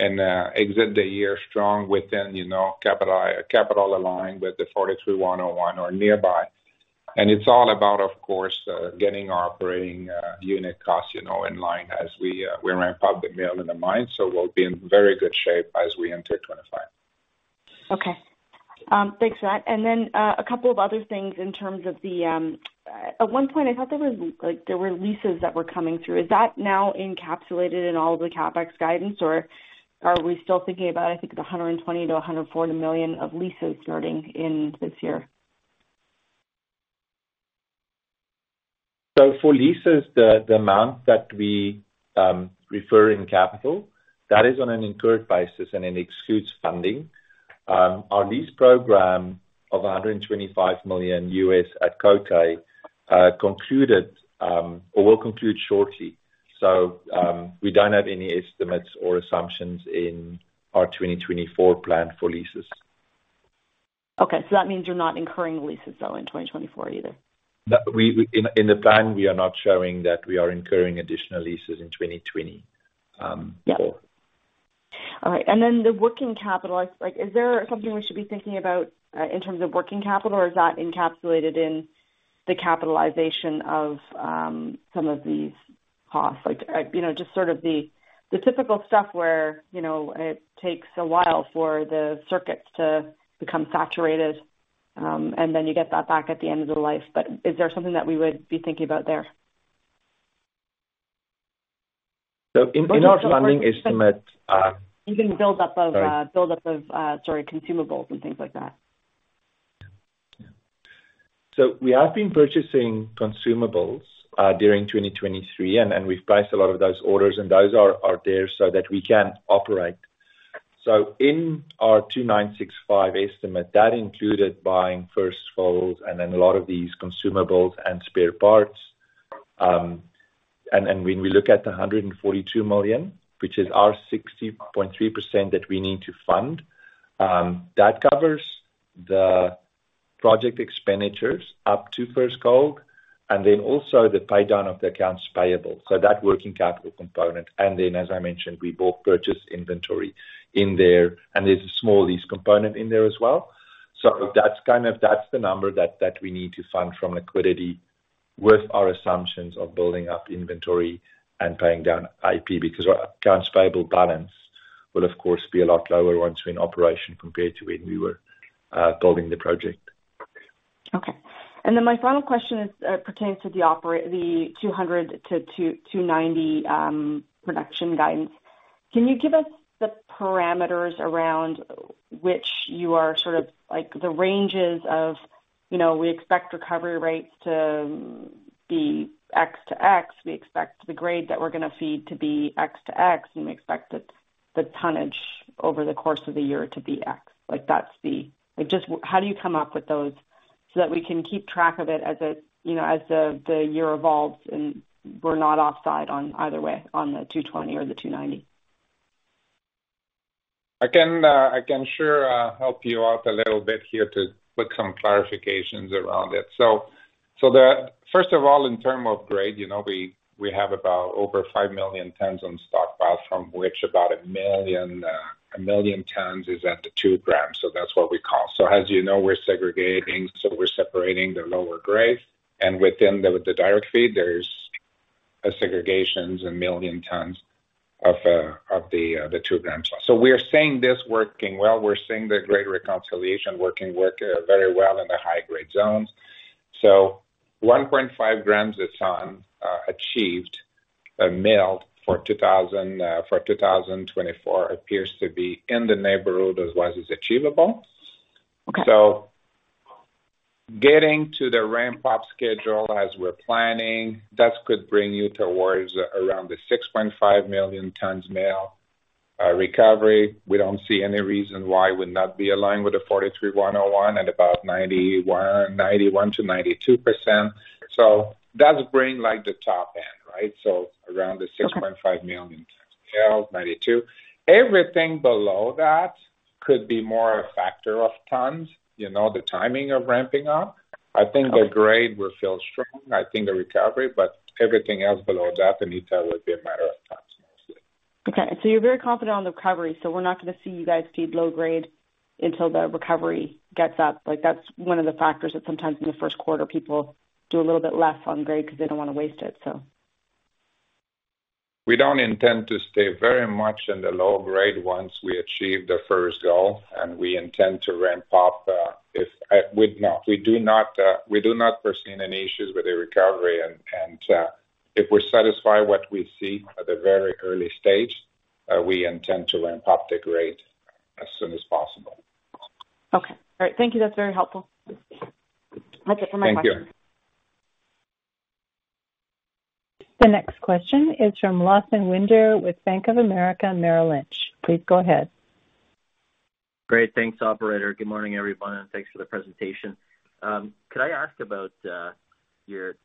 and exit the year strong with capital aligned with the NI 43-101 or nearby. And it's all about, of course, getting our operating unit costs in line as we ramp up the mill and the mine. We'll be in very good shape as we enter 2025. Okay. Thanks, Matt. And then a couple of other things in terms of the at one point, I thought there were leases that were coming through. Is that now encapsulated in all of the CAPEX guidance, or are we still thinking about, I think, the $120 million-$140 million of leases starting in this year? For leases, the amount that we refer in capital, that is on an incurred basis, and it excludes funding. Our lease program of $125 million at Côté Gold concluded or will conclude shortly. We don't have any estimates or assumptions in our 2024 plan for leases. Okay. So that means you're not incurring leases, though, in 2024 either? In the plan, we are not showing that we are incurring additional leases in 2024. Yeah. All right. And then the working capital, is there something we should be thinking about in terms of working capital, or is that encapsulated in the capitalization of some of these costs? Just sort of the typical stuff where it takes a while for the circuits to become saturated, and then you get that back at the end of the life. But is there something that we would be thinking about there? In our funding estimate. Even buildup of, sorry, consumables and things like that. Yeah. Yeah. So we have been purchasing consumables during 2023, and we've placed a lot of those orders, and those are there so that we can operate. So in our 2,965 estimate, that included buying First Gold and then a lot of these consumables and spare parts. And when we look at the $142 million, which is our 60.3% that we need to fund, that covers the project expenditures up to First Gold and then also the paydown of the accounts payable. So that working capital component. And then, as I mentioned, we've also purchased inventory in there, and there's a small lease component in there as well. So that's kind of the number that we need to fund from liquidity with our assumptions of building up inventory and paying down AP because our accounts payable balance will, of course, be a lot lower once we're in operation compared to when we were building the project. Okay. And then my final question pertains to the 200-290 production guidance. Can you give us the parameters around which you are sort of the ranges of, "We expect recovery rates to be X to X. We expect the grade that we're going to feed to be X to X, and we expect the tonnage over the course of the year to be X." That's the how do you come up with those so that we can keep track of it as the year evolves and we're not offside on either way on the 220 or the 290? I can sure help you out a little bit here to put some clarifications around it. So first of all, in terms of grade, we have about over 5 million tons on stockpile, from which about 1 million tons is at the 2 grams. So that's what we call. So as you know, we're segregating. So we're separating the lower grade. And within the direct feed, there's segregations and 1 million tons of the 2 grams plus. So we're seeing this working well. We're seeing the grade reconciliation working very well in the high-grade zones. So 1.5 grams is achieved. Milled for 2024 appears to be in the neighborhood as well as it's achievable. So getting to the ramp-up schedule as we're planning, that could bring you towards around the 6.5 million tons milled recovery. We don't see any reason why we'd not be aligned with the NI 43-101 at about 91%-92%. So that's bringing the top end, right? So around the 6.5 million tons milled, 92%. Everything below that could be more a factor of tons, the timing of ramping up. I think the grade will feel strong. I think the recovery, but everything else below that, Anita, would be a matter of times mostly. Okay. So you're very confident on the recovery. So we're not going to see you guys feed low grade until the recovery gets up. That's one of the factors that sometimes in the first quarter, people do a little bit less on grade because they don't want to waste it, so. We don't intend to stay very much in the low grade once we achieve the first goal, and we intend to ramp up if we do not perceive any issues with the recovery. If we're satisfied with what we see at the very early stage, we intend to ramp up the grade as soon as possible. Okay. All right. Thank you. That's very helpful. That's it for my questions. Thank you. The next question is from Lawson Winder with Bank of America Merrill Lynch. Please go ahead. Great. Thanks, operator. Good morning, everyone, and thanks for the presentation. Could I ask about your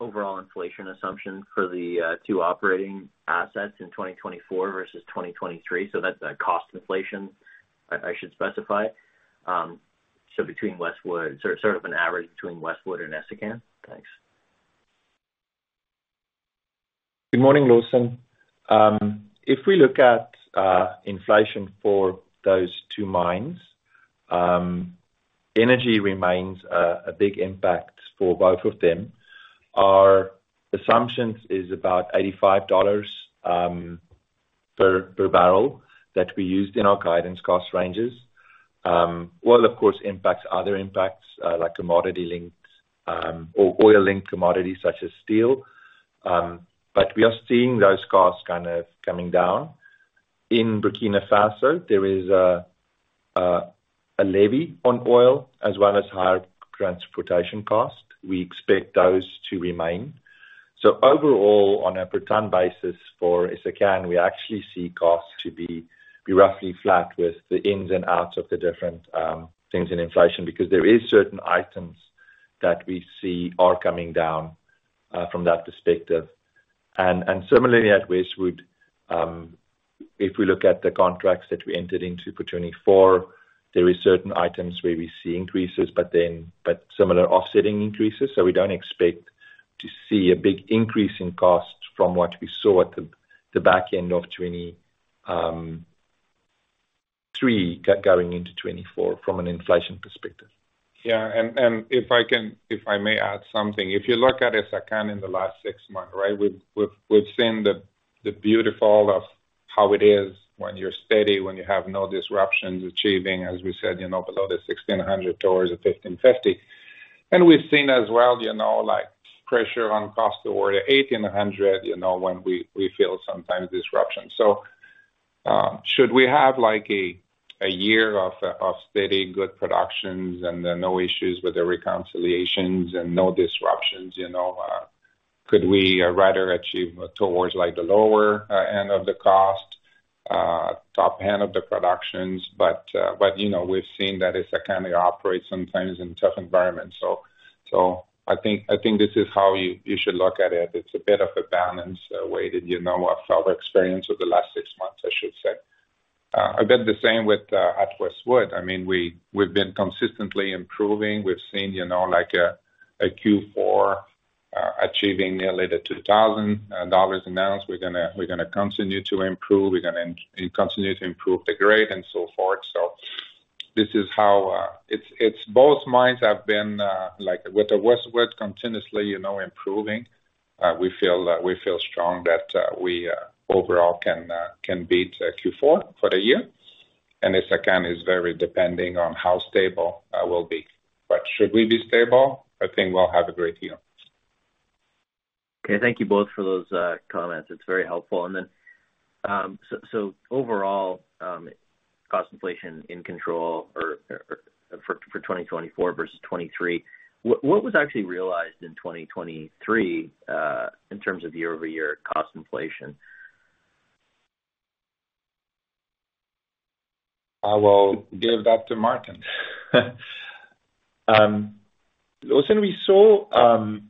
overall inflation assumption for the two operating assets in 2024 versus 2023? So that's a cost inflation, I should specify, so sort of an average between Westwood and Essakane. Thanks. Good morning, Lawson. If we look at inflation for those two mines, energy remains a big impact for both of them. Our assumption is about $85 per barrel that we used in our guidance cost ranges. Well, of course, other impacts like commodity-linked or oil-linked commodities such as steel. But we are seeing those costs kind of coming down. In Burkina Faso, there is a levy on oil as well as higher transportation costs. We expect those to remain. So overall, on a per-ton basis for Essakane, we actually see costs to be roughly flat with the ins and outs of the different things in inflation because there are certain items that we see are coming down from that perspective. And similarly, at Westwood, if we look at the contracts that we entered into for 2024, there are certain items where we see increases, but similar offsetting increases. So we don't expect to see a big increase in costs from what we saw at the back end of 2023 going into 2024 from an inflation perspective. Yeah. And if I may add something, if you look at Essakane in the last six months, right, we've seen the beauty of how it is when you're steady, when you have no disruptions achieving, as we said, below the $1,600 at $1,550. And we've seen as well pressure on costs were at $1,800 when we feel sometimes disruptions. So should we have a year of steady, good productions, and no issues with the reconciliations and no disruptions, could we rather achieve towards the lower end of the cost, top end of the productions? But we've seen that Essakane operates sometimes in tough environments. So I think this is how you should look at it. It's a bit of a balanced weighting of our experience of the last six months, I should say. A bit the same with Westwood. I mean, we've been consistently improving. We've seen a Q4 achieving nearly $2,000 an ounce. We're going to continue to improve. We're going to continue to improve the grade and so forth. So this is how it's both mines have been with Westwood continuously improving. We feel strong that we overall can beat Q4 for the year. And Essakane is very depending on how stable we'll be. But should we be stable, I think we'll have a great year. Okay. Thank you both for those comments. It's very helpful. Overall, cost inflation in control for 2024 versus 2023, what was actually realized in 2023 in terms of year-over-year cost inflation? I will give that to Maarten. Lawson,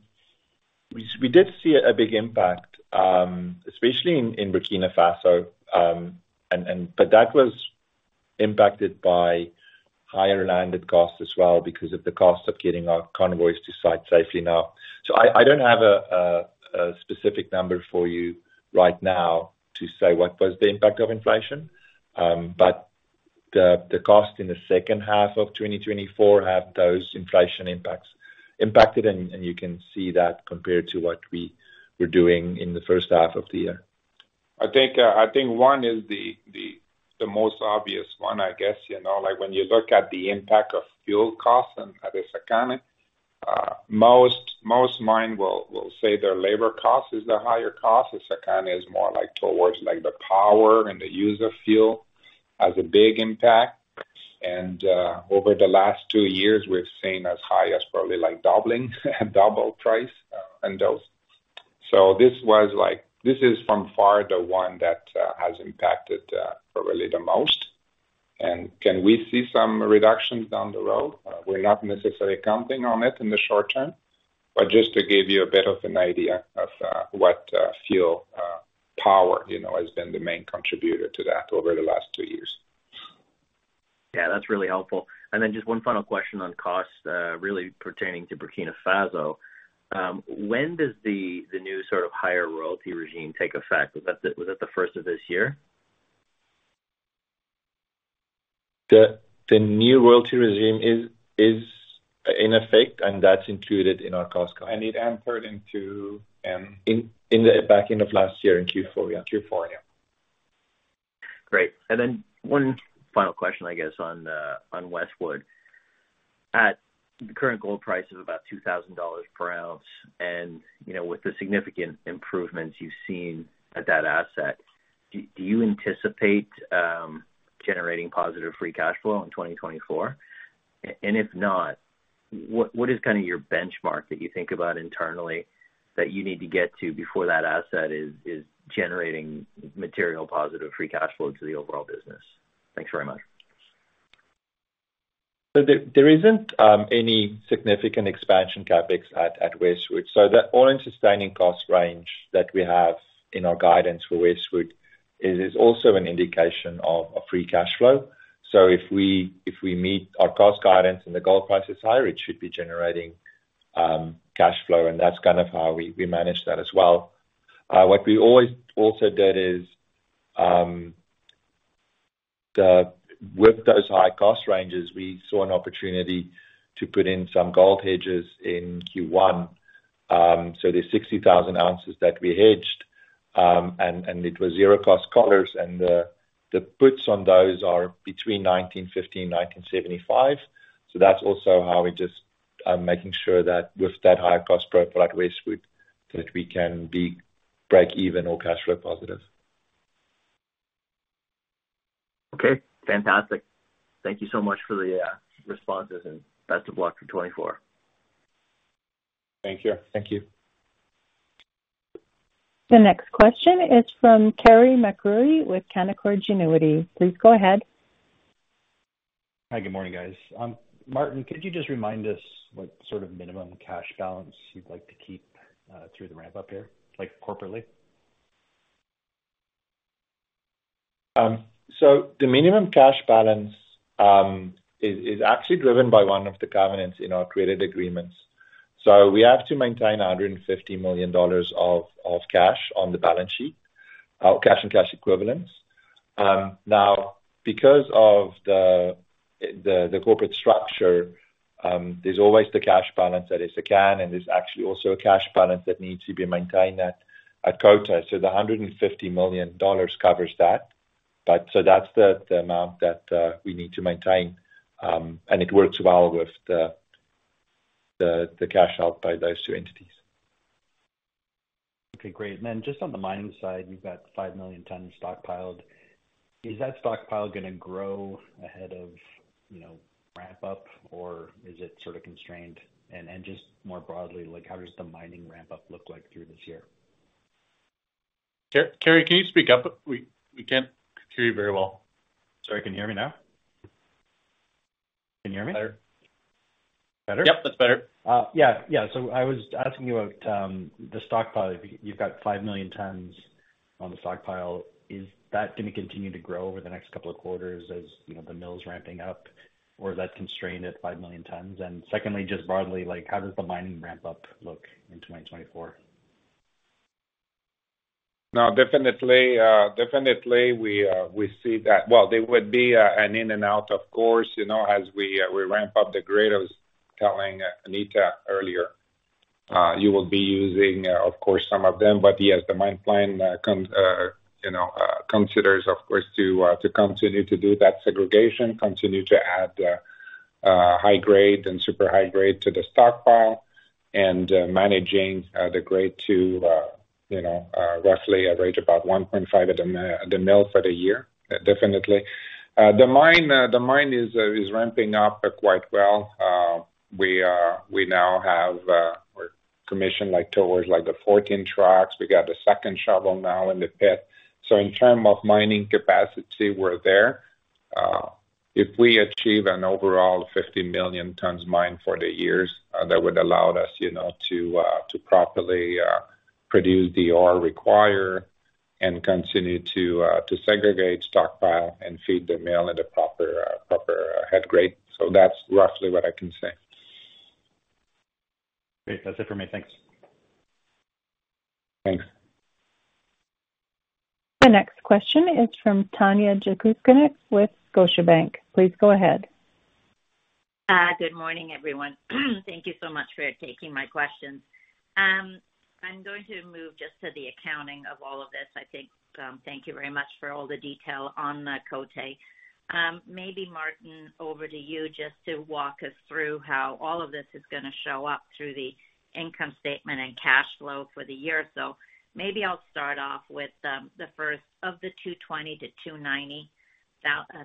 we did see a big impact, especially in Burkina Faso, but that was impacted by higher landed costs as well because of the cost of getting our convoys to site safely now. So I don't have a specific number for you right now to say what was the impact of inflation, but the cost in the second half of 2024 have those inflation impacts impacted, and you can see that compared to what we were doing in the first half of the year. I think one is the most obvious one, I guess. When you look at the impact of fuel costs at Essakane, most mines will say their labor cost is the higher cost. Essakane is more towards the power and the use of fuel has a big impact. And over the last two years, we've seen as high as probably doubling and double price in those. So this is by far the one that has impacted probably the most. And can we see some reductions down the road? We're not necessarily counting on it in the short term, but just to give you a bit of an idea of what fuel power has been the main contributor to that over the last two years. Yeah. That's really helpful. Then just one final question on costs really pertaining to Burkina Faso. When does the new sort of higher royalty regime take effect? Was that the first of this year? The new royalty regime is in effect, and that's included in our cost. It entered into. In the back end of last year in Q4, yeah. Q4, yeah. Great. And then one final question, I guess, on Westwood. At the current gold price of about $2,000 per ounce and with the significant improvements you've seen at that asset, do you anticipate generating positive free cash flow in 2024? And if not, what is kind of your benchmark that you think about internally that you need to get to before that asset is generating material positive free cash flow to the overall business? Thanks very much. There isn't any significant expansion CapEx at Westwood. The all-in sustaining cost range that we have in our guidance for Westwood is also an indication of free cash flow. So if we meet our cost guidance and the gold price is higher, it should be generating cash flow, and that's kind of how we manage that as well. What we always also did is with those high cost ranges, we saw an opportunity to put in some gold hedges in Q1. So there's 60,000 ounces that we hedged, and it was zero-cost collars, and the puts on those are between $1,915 and $1,975. So that's also how we're just making sure that with that higher cost profile at Westwood that we can break even or cash flow positive. Okay. Fantastic. Thank you so much for the responses, and best of luck for 2024. Thank you. Thank you. The next question is from Carey MacRury with Canaccord Genuity. Please go ahead. Hi. Good morning, guys. Maarten, could you just remind us what sort of minimum cash balance you'd like to keep through the ramp-up here corporately? The minimum cash balance is actually driven by one of the covenants in our credit agreements. We have to maintain $150 million of cash on the balance sheet, cash and cash equivalents. Now, because of the corporate structure, there's always the cash balance at Essakane, and there's actually also a cash balance that needs to be maintained at Côté. The $150 million covers that. That's the amount that we need to maintain, and it works well with the cash held by those two entities. Okay. Great. And then just on the mining side, you've got 5 million tons stockpiled. Is that stockpile going to grow ahead of ramp-up, or is it sort of constrained? And just more broadly, how does the mining ramp-up look like through this year? Carey, can you speak up? We can't hear you very well. Sorry. Can you hear me now? Can you hear me? Better? Better? Yep. That's better. Yeah. Yeah. So I was asking you about the stockpile. You've got 5 million tons on the stockpile. Is that going to continue to grow over the next couple of quarters as the mill's ramping up, or is that constrained at 5 million tons? And secondly, just broadly, how does the mining ramp-up look in 2024? No. Definitely, we see that well, there would be an in and out, of course, as we ramp up the grade. I was telling Anita earlier, you will be using, of course, some of them. But yes, the mine plan considers, of course, to continue to do that segregation, continue to add high-grade and super high-grade to the stockpile, and managing the grade to roughly average about 1.5 at the mill for the year, definitely. The mine is ramping up quite well. We now have commission towards the 14 trucks. We got the second shovel now in the pit. So in terms of mining capacity, we're there. If we achieve an overall 50 million tons mine for the years, that would allow us to properly produce the ore required and continue to segregate stockpile and feed the mill at a proper head grade. So that's roughly what I can say. Great. That's it for me. Thanks. Thanks. The next question is from Tanya Jakusconek with Scotiabank. Please go ahead. Good morning, everyone. Thank you so much for taking my questions. I'm going to move just to the accounting of all of this, I think. Thank you very much for all the detail on the Côté. Maybe, Maarten, over to you just to walk us through how all of this is going to show up through the income statement and cash flow for the year. So maybe I'll start off with the first. Of the 220-290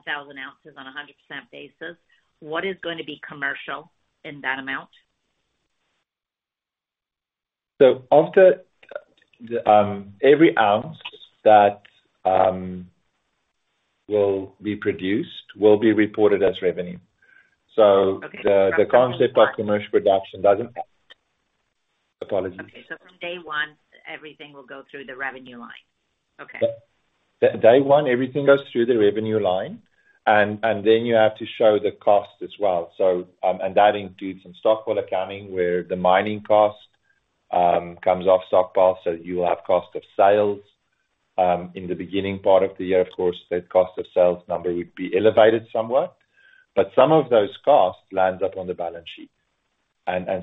thousand ounces on a 100% basis, what is going to be commercial in that amount? Every ounce that will be produced will be reported as revenue. The concept of commercial production doesn't apply. Apologies. Okay. So from day one, everything will go through the revenue line. Okay. Day one, everything goes through the revenue line, and then you have to show the cost as well. That includes some stockpile accounting where the mining cost comes off stockpile. You will have cost of sales. In the beginning part of the year, of course, that cost of sales number would be elevated somewhat. Some of those costs end up on the balance sheet.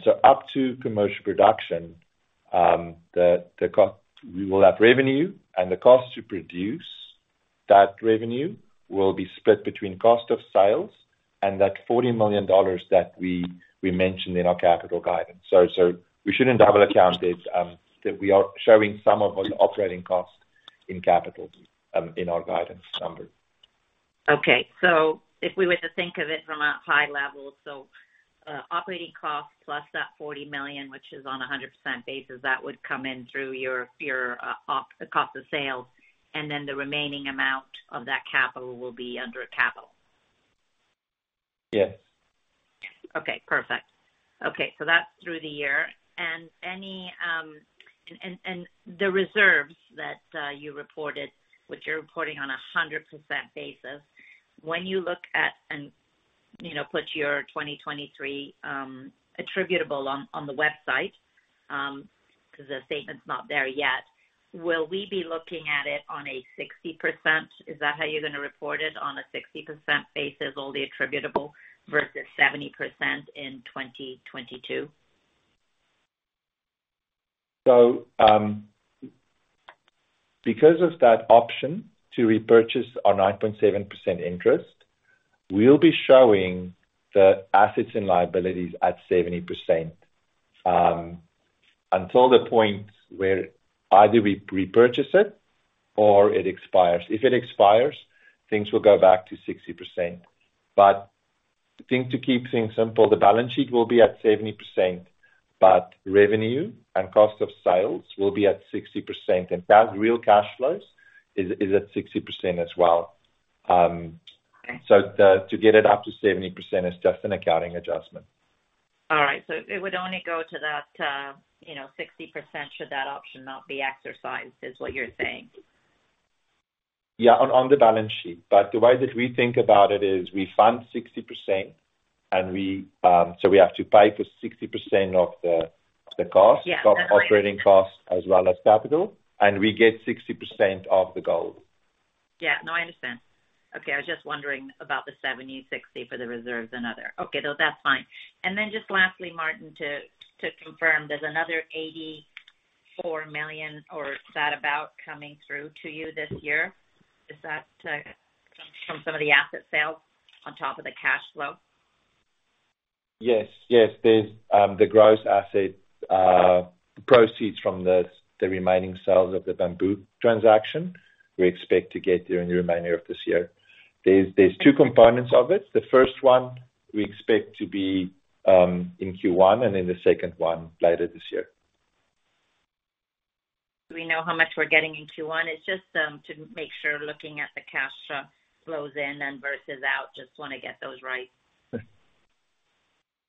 So up to commercial production, we will have revenue, and the cost to produce that revenue will be split between cost of sales and that $40 million that we mentioned in our capital guidance. We shouldn't double-account it. We are showing some of the operating cost in capital in our guidance number. Okay. If we were to think of it from a high level, so operating cost plus that $40 million, which is on a 100% basis, that would come in through your cost of sales, and then the remaining amount of that capital will be under capital. Yes. Okay. Perfect. Okay. So that's through the year. And the reserves that you reported, which you're reporting on a 100% basis, when you look at and put your 2023 attributable on the website because the statement's not there yet, will we be looking at it on a 60%? Is that how you're going to report it, on a 60% basis, all the attributable versus 70% in 2022? So because of that option to repurchase our 9.7% interest, we'll be showing the assets and liabilities at 70% until the point where either we repurchase it or it expires. If it expires, things will go back to 60%. But to keep things simple, the balance sheet will be at 70%, but revenue and cost of sales will be at 60%, and real cash flows is at 60% as well. So to get it up to 70% is just an accounting adjustment. All right. So it would only go to that 60% should that option not be exercised, is what you're saying? Yeah, on the balance sheet. The way that we think about it is we fund 60%, and so we have to pay for 60% of the cost, operating cost, as well as capital, and we get 60% of the gold. Yeah. No, I understand. Okay. I was just wondering about the 70, 60 for the reserves and other. Okay. Though that's fine. And then just lastly, Maarten, to confirm, there's another $84 million or thereabouts coming through to you this year. Is that from some of the asset sales on top of the cash flow? Yes. Yes. There's the gross asset proceeds from the remaining sales of the Bambouk transaction we expect to get during the remainder of this year. There's two components of it. The first one, we expect to be in Q1, and then the second one later this year. Do we know how much we're getting in Q1? It's just to make sure looking at the cash flows in and versus out, just want to get those right.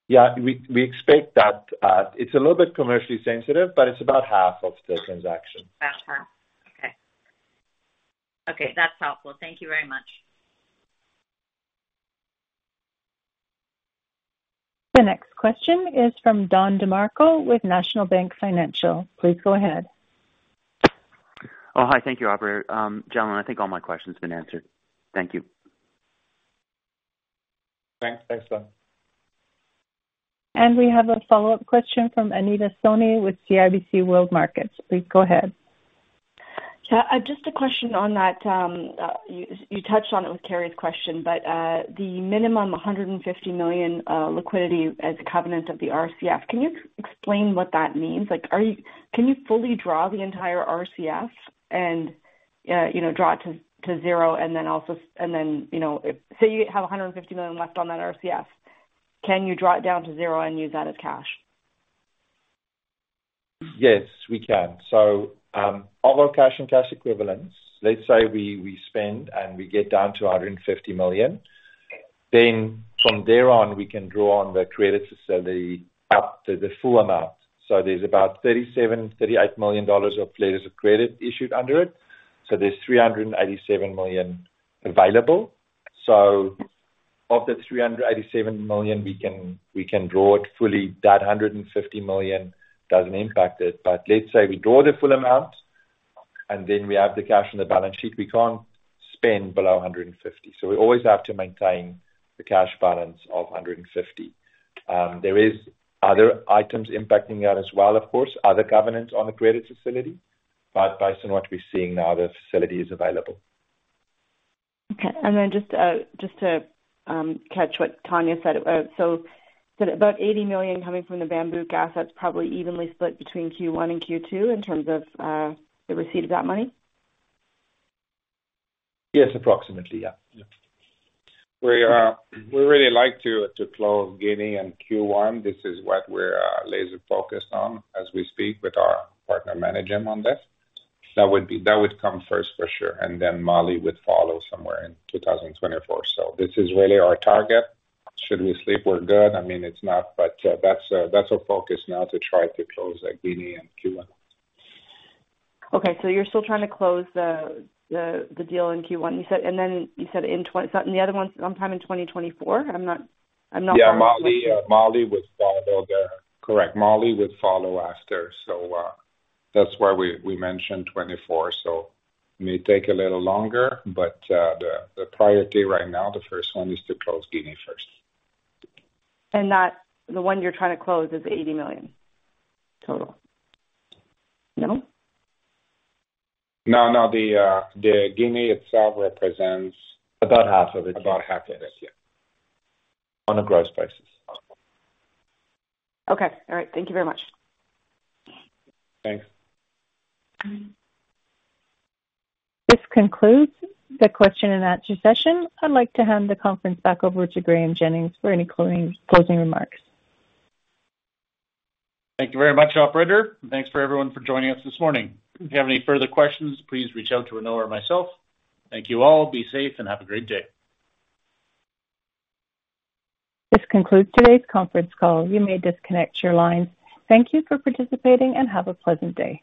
Yeah. We expect that. It's a little bit commercially sensitive, but it's about half of the transaction. About half. Okay. Okay. That's helpful. Thank you very much. The next question is from Don DeMarco with National Bank Financial. Please go ahead. Oh, hi. Thank you, Aubrey. Gentlemen, I think all my questions have been answered. Thank you. Thanks. Thanks, Don. We have a follow-up question from Anita Soni with CIBC World Markets. Please go ahead. Yeah. Just a question on that. You touched on it with Carrie's question, but the minimum $150 million liquidity as a covenant of the RCF, can you explain what that means? Can you fully draw the entire RCF and draw it to zero and then also and then say you have $150 million left on the RCF, can you draw it down to zero and use that as cash? Yes, we can. So our cash and cash equivalents, let's say we spend and we get down to $150 million, then from there on, we can draw on the credit facility up to the full amount. So there's about $37-$38 million of letters of credit issued under it. So there's $387 million available. So of the $387 million, we can draw it fully. That $150 million doesn't impact it. But let's say we draw the full amount and then we have the cash on the balance sheet, we can't spend below $150 million. So we always have to maintain the cash balance of $150 million. There are other items impacting that as well, of course, other covenants on the credit facility, but based on what we're seeing now, the facility is available. Okay. And then just to catch what Tanya said, so is it about $80 million coming from the Bambouk assets probably evenly split between Q1 and Q2 in terms of the receipt of that money? Yes, approximately. Yeah. Yeah. We'd really like to close Guinea in Q1. This is what we're laser-focused on as we speak with our partner Managem on this. That would come first for sure, and then Mali would follow somewhere in 2024. So this is really our target. Should we slip, we're good. I mean, it's not, but that's our focus now to try to close that Guinea in Q1. Okay. So you're still trying to close the deal in Q1, you said. And then you said in the other one, sometime in 2024? I'm not quite sure. Yeah. Mali would follow there. Correct. Mali would follow after. So that's why we mentioned 2024. So it may take a little longer, but the priority right now, the first one is to close Guinea first. The one you're trying to close is $80 million total? No? No. No. The Guinea itself represents. About half of it. About half of it. Yeah. On a gross basis. Okay. All right. Thank you very much. Thanks. This concludes the question-and-answer session. I'd like to hand the conference back over to Graeme Jennings for any closing remarks. Thank you very much, Operator. Thanks for everyone for joining us this morning. If you have any further questions, please reach out to Renaud or myself. Thank you all. Be safe and have a great day. This concludes today's conference call. You may disconnect your lines. Thank you for participating, and have a pleasant day.